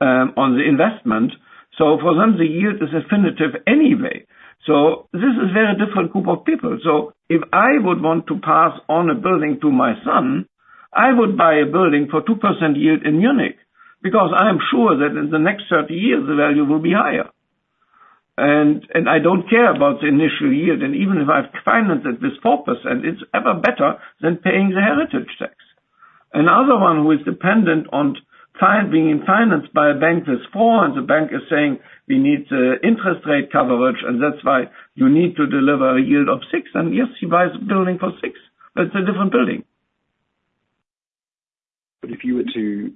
on the investment. So for them, the yield is definitive anyway. So this is very different group of people. So if I would want to pass on a building to my son, I would buy a building for 2% yield in Munich, because I am sure that in the next 30 years, the value will be higher. And I don't care about the initial yield, and even if I've financed at this 4%, it's ever better than paying the inheritance tax. Another one who is dependent on being financed by a bank, that's 4%, and the bank is saying, "We need the interest rate coverage, and that's why you need to deliver a yield of 6%." And yes, he buys a building for 6%. That's a different building. But if you were to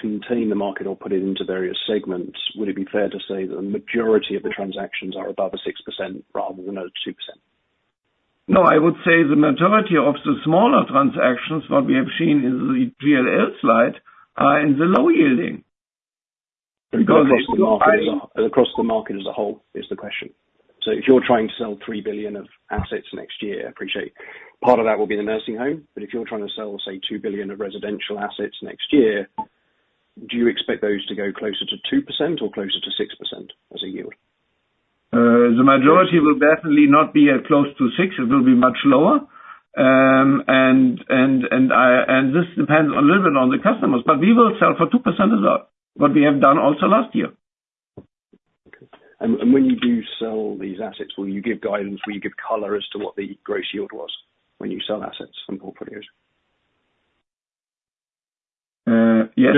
contain the market or put it into various segments, would it be fair to say that the majority of the transactions are above the 6% rather than over 2%? No, I would say the majority of the smaller transactions, what we have seen in the JLL slide, are in the low yielding, because- Across the market as a whole, is the question. So if you're trying to sell 3 billion of assets next year, I appreciate part of that will be the nursing home, but if you're trying to sell, say, 2 billion of residential assets next year, do you expect those to go closer to 2% or closer to 6% as a yield? The majority will definitely not be as close to 6. It will be much lower. And this depends a little bit on the customers, but we will sell for 2% as well, what we have done also last year. Okay. And when you do sell these assets, will you give guidance, will you give color as to what the gross yield was when you sell assets from portfolios? Uh, yes.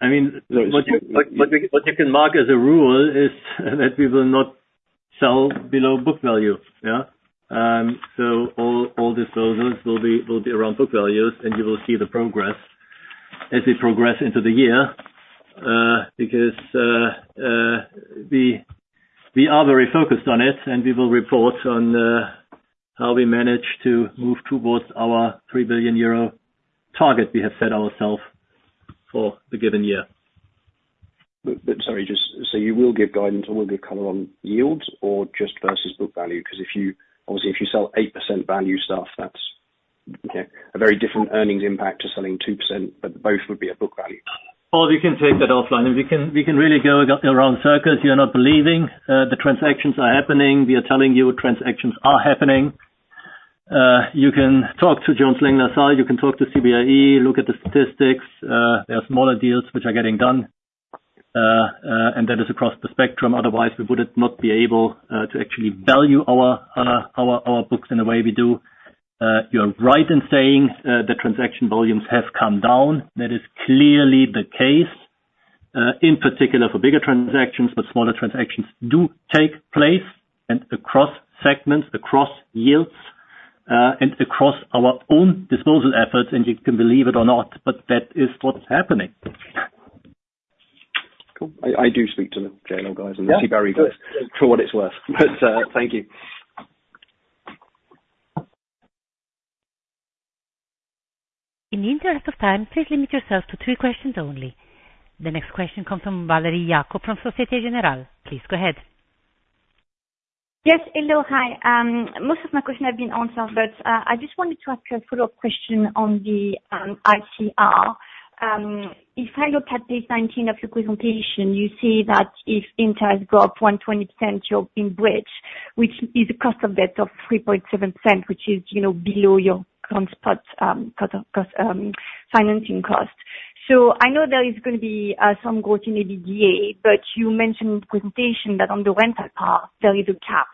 I mean, what you can mark as a rule is that we will not sell below book value. Yeah. So all disposals will be around book values, and you will see the progress as we progress into the year, we are very focused on it, and we will report on how we manage to move towards our 3 billion euro target we have set ourselves for the given year. But sorry, just so you will give guidance or will give color on yields or just versus book value? Because if you—obviously, if you sell 8% value stuff, that's, okay, a very different earnings impact to selling 2%, but both would be at book value. Paul, we can take that offline, and we can, we can really go around circles. You're not believing the transactions are happening. We are telling you transactions are happening. You can talk to Jones Lang LaSalle, you can talk to CBRE, look at the statistics. There are smaller deals which are getting done, and that is across the spectrum. Otherwise, we would have not be able to actually value our books in the way we do. You're right in saying the transaction volumes have come down. That is clearly the case, in particular for bigger transactions, but smaller transactions do take place, and across segments, across yields, and across our own disposal efforts, and you can believe it or not, but that is what's happening. Cool. I do speak to the JLL guys and the CBRE guys- Yeah. For what it's worth, but, thank you. In the interest of time, please limit yourself to three questions only. The next question comes from Valérie Jacob, from Société Générale. Please go ahead. Yes. Hello, hi. Most of my questions have been answered, but, I just wanted to ask you a follow-up question on the, ICR. If I look at page 19 of your presentation, you see that if interest go up 120%, you're in breach which is a cost of debt of 3.7%, which is, you know, below your current spot, cost, financing cost so I know there is gonna be, some growth in EBITDA, but you mentioned presentation that on the rental part, there is a cap.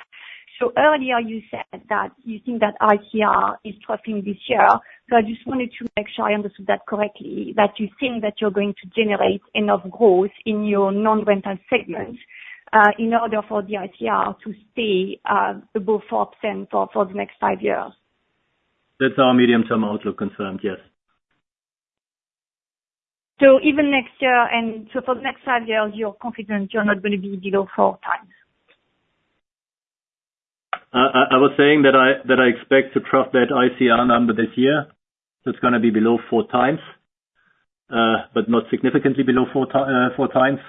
Earlier you said that you think that ICR is dropping this year, so I just wanted to make sure I understood that correctly, that you think that you're going to generate enough growth in your non-rental segment in order for the ICR to stay above 4% for the next five years. That's our medium-term outlook confirmed, yes. So even next year, and so for the next five years, you're confident you're not gonna be below four times? I was saying that I expect to drop that ICR number this year. It's gonna be below four times, but not significantly below four times.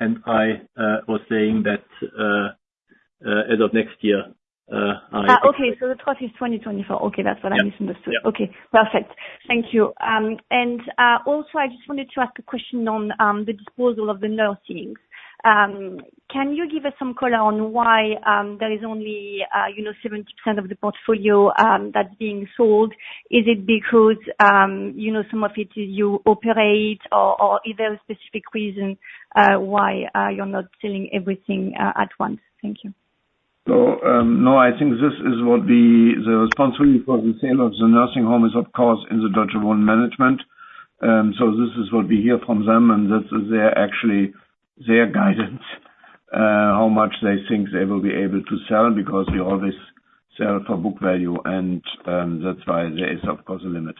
And I was saying that, as of next year, I- Okay, so the target is 2024. Okay, that's what I misunderstood. Yeah. Okay, perfect. Thank you. Also, I just wanted to ask a question on the disposal of the nursing. Can you give us some color on why there is only, you know, 70% of the portfolio that's being sold? Is it because, you know, some of it you operate or is there a specific reason why you're not selling everything at once? Thank you. So, no, I think this is what the responsibility for the sale of the nursing home is, of course, in the Deutsche Wohnen management. So this is what we hear from them, and that is their, actually, their guidance, how much they think they will be able to sell, because we always sell for book value and that's why there is of course, a limit.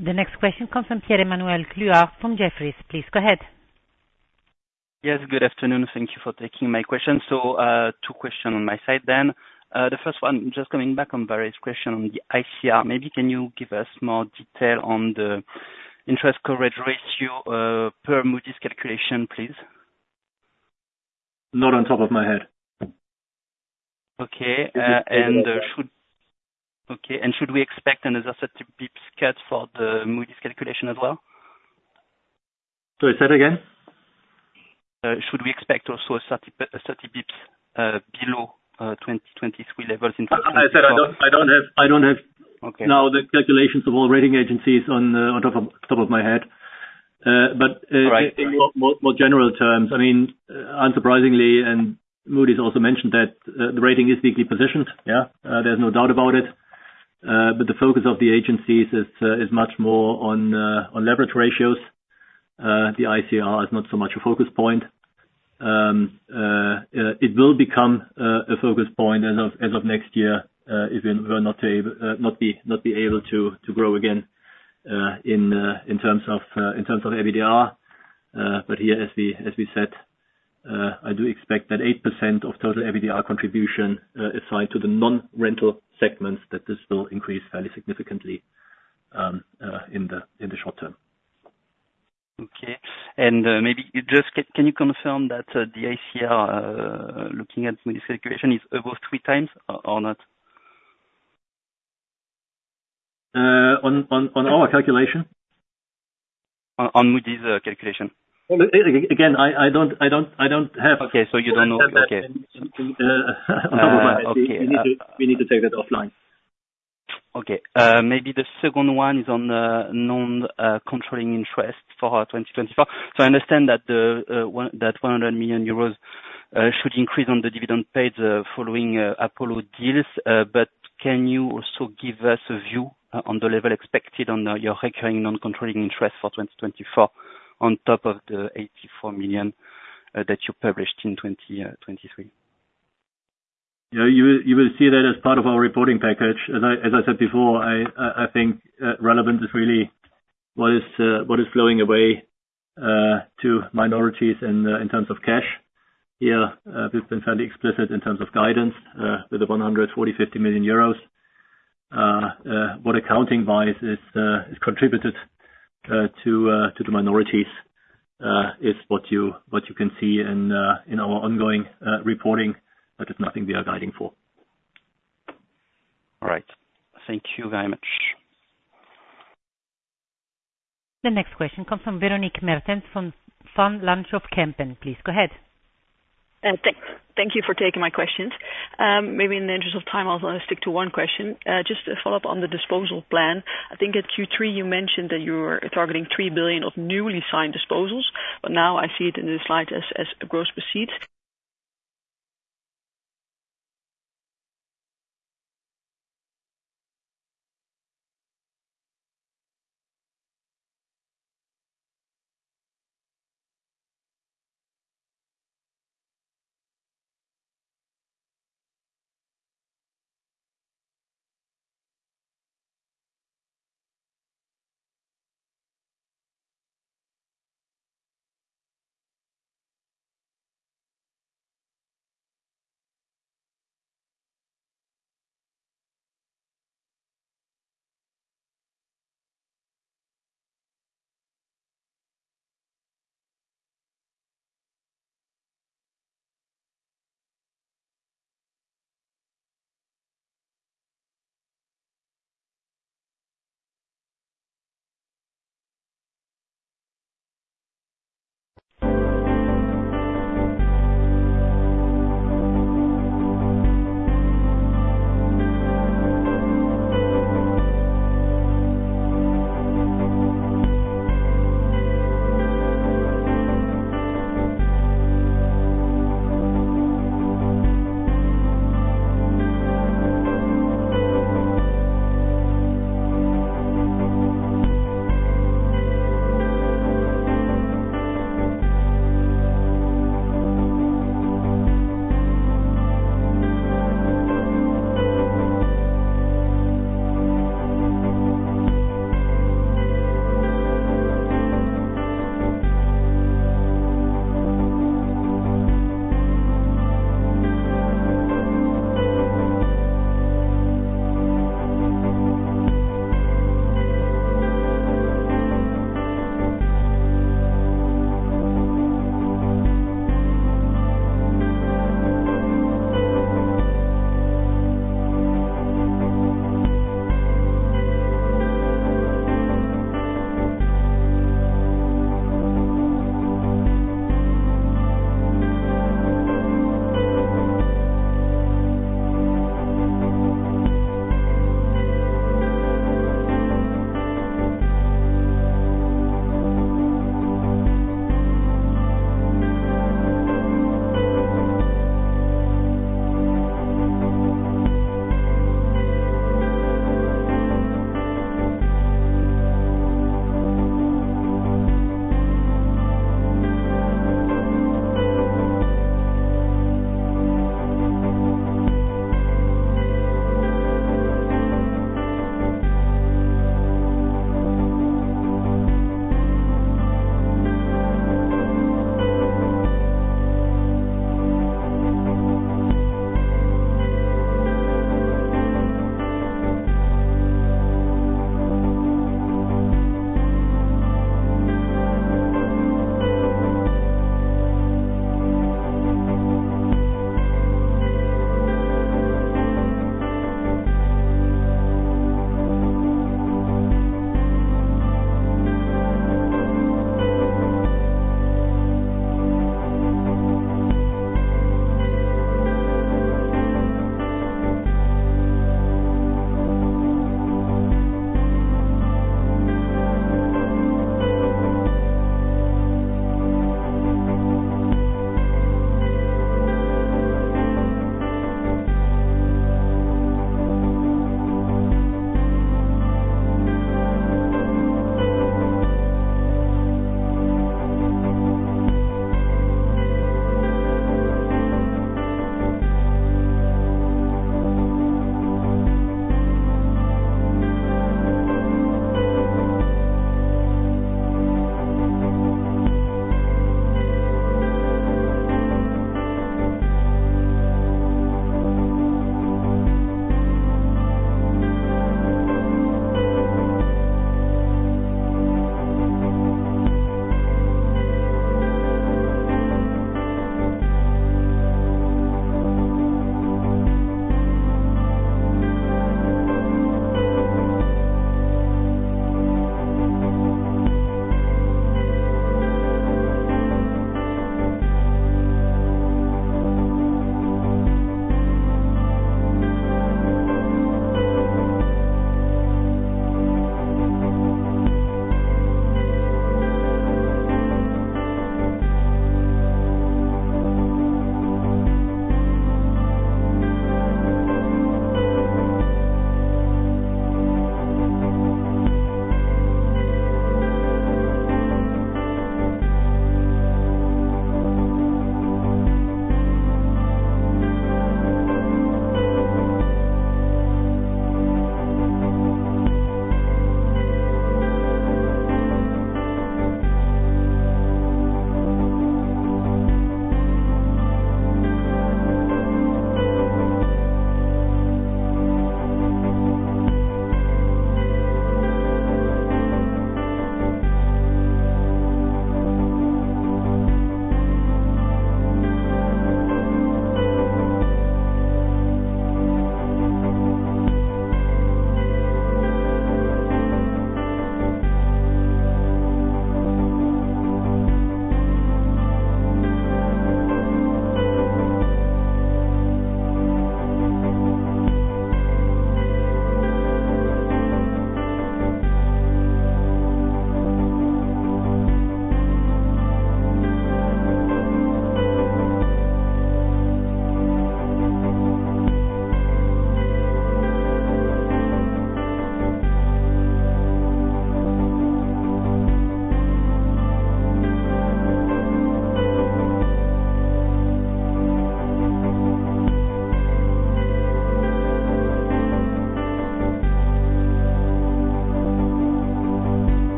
The next question comes from Pierre-Emmanuel Clouard from Jefferies. Please go ahead. Yes, good afternoon. Thank you for taking my question. So, two question on my side then. The first one, just coming back on various question on the ICR. Maybe can you give us more detail on the interest coverage ratio, per Moody's calculation, please? Not on top of my head. Okay. And should- Let me- Okay, and should we expect another 30 basis points cut for the Moody's calculation as well? Sorry, say that again? Should we expect also a 30 BPS below 2023 levels in terms of- I said I don't have- Okay. Now, the calculations of all rating agencies off the top of my head. But, Right. In more general terms, I mean, unsurprisingly, and Moody's also mentioned that, the rating is deeply positioned. Yeah, there's no doubt about it. But the focus of the agencies is much more on leverage ratios. The ICR is not so much a focus point. It will become a focus point as of next year, if we're not able to grow again in terms of EBITDA. But here, as we said, I do expect that 8% of total EBITDA contribution assigned to the non-rental segments, that this will increase fairly significantly in the short term. Okay. And, maybe just can you confirm that the ICR, looking at Moody's calculation, is above three times, or not? On our calculation? On Moody's calculation. Well, again, I don't have- Okay, so you don't know. Okay. Uh, Uh, okay. We need to take that offline. Okay. Maybe the second one is on the non-controlling interest for our 2024. So I understand that the one, that 100 million euros, should increase on the dividend paid, following Apollo deals. But can you also give us a view on the level expected on your recurring non-controlling interest for 2024, on top of the 84 million that you published in 2023? Yeah, you will see that as part of our reporting package. As I said before, I think relevant is really what is flowing away to minorities in terms of cash. Here, we've been fairly explicit in terms of guidance with the 140 million-150 million euros. What accounting-wise is contributed to the minorities is what you can see in our ongoing reporting, but it's nothing we are guiding for. All right. Thank you very much. The next question comes from Véronique Meertens from Van Lanschot Kempen. Please, go ahead. Thank you for taking my questions. Maybe in the interest of time, I'll stick to one question. Just to follow up on the disposal plan. I think at Q3 you mentioned that you were targeting 3 billion of newly signed disposals, but now I see it in the slide as a gross proceed. To return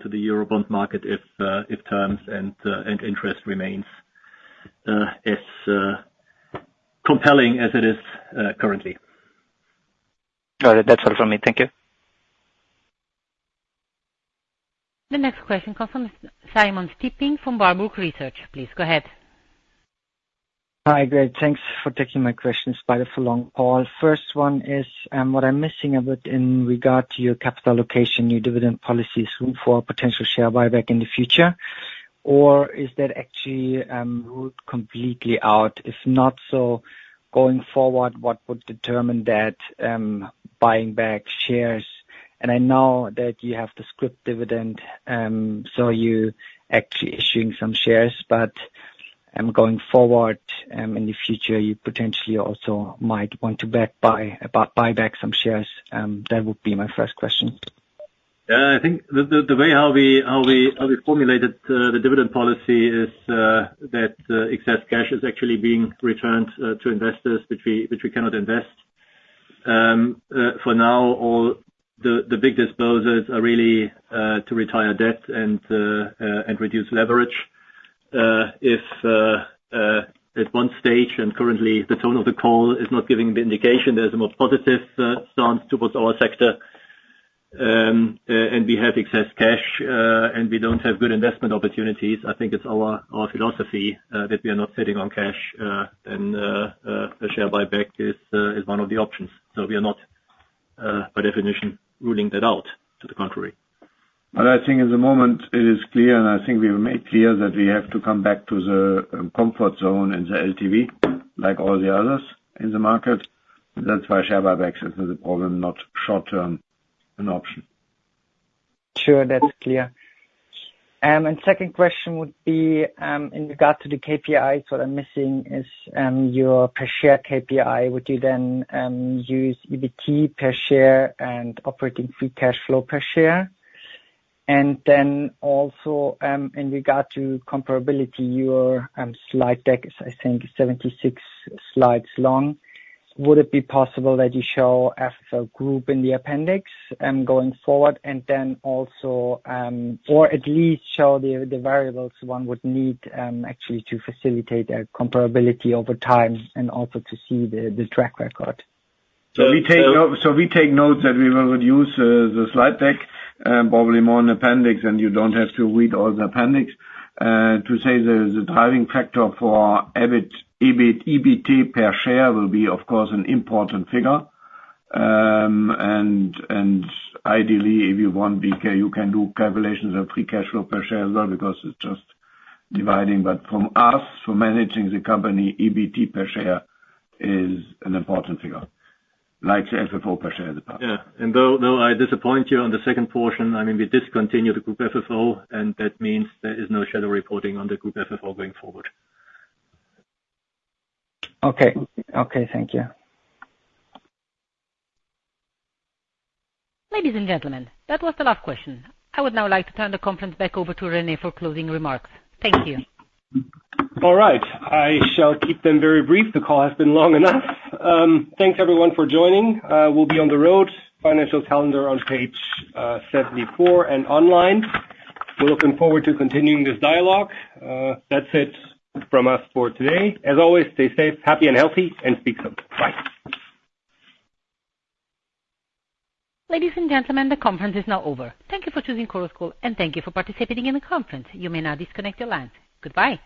to the Eurobond market if terms and interest remains as compelling as it is currently. All right. That's all from me. Thank you. The next question comes from Simon Stippig from Warburg Research. Please go ahead. Hi, great. Thanks for taking my questions, sorry for long call. First one is, what I'm missing about in regard to your capital allocation, your dividend policies for potential share buyback in the future, or is that actually ruled completely out? If not so, going forward, what would determine that, buying back shares? And I know that you have the Scrip Dividend, so you actually issuing some shares, but, going forward, in the future, you potentially also might want to buy back some shares. That would be my first question. Yeah, I think the way how we formulated the dividend policy is that excess cash is actually being returned to investors, which we cannot invest. For now, all the big disposals are really to retire debt and reduce leverage. If at one stage, and currently the tone of the call is not giving the indication, there's a more positive stance towards our sector, and we have excess cash, and we don't have good investment opportunities, I think it's our philosophy that we are not sitting on cash, and a share buyback is one of the options. So we are not, by definition, ruling that out, to the contrary. But I think at the moment it is clear, and I think we've made clear, that we have to come back to the comfort zone and the LTV, like all the others in the market. That's why share buyback is the problem, not short-term an option. Sure, that's clear. And second question would be, in regard to the KPIs, what I'm missing is, your per share KPI. Would you then use EBT per share and operating free cash flow per share? And then also, in regard to comparability, your slide deck is, I think, 76 slides long. Would it be possible that you show FFO Group in the appendix, going forward, and then also or at least show the, the variables one would need, actually to facilitate a comparability over time and also to see the, the track record? So we take notes that we will reduce the slide deck, probably more in appendix, and you don't have to read all the appendix. To say the driving factor for EBIT, EBIT, EBT per share will be, of course, an important figure. And ideally, if you want BK, you can do calculations of free cash flow per share as well, because it's just dividing. But from us, for managing the company, EBT per share is an important figure, like FFO per share as well. Yeah, and though I disappoint you on the second portion, I mean, we discontinued the Group FFO, and that means there is no shadow reporting on the Group FFO going forward. Okay. Okay, thank you. Ladies and gentlemen, that was the last question. I would now like to turn the conference back over to Rene for closing remarks. Thank you. All right. I shall keep them very brief. The call has been long enough. Thanks, everyone, for joining. We'll be on the road, financial calendar on page 74 and online. We're looking forward to continuing this dialogue. That's it from us for today. As always, stay safe, happy and healthy, and speak soon. Bye. Ladies and gentlemen, the conference is now over. Thank you for choosing Chorus Call, and thank you for participating in the conference. You may now disconnect your lines. Goodbye.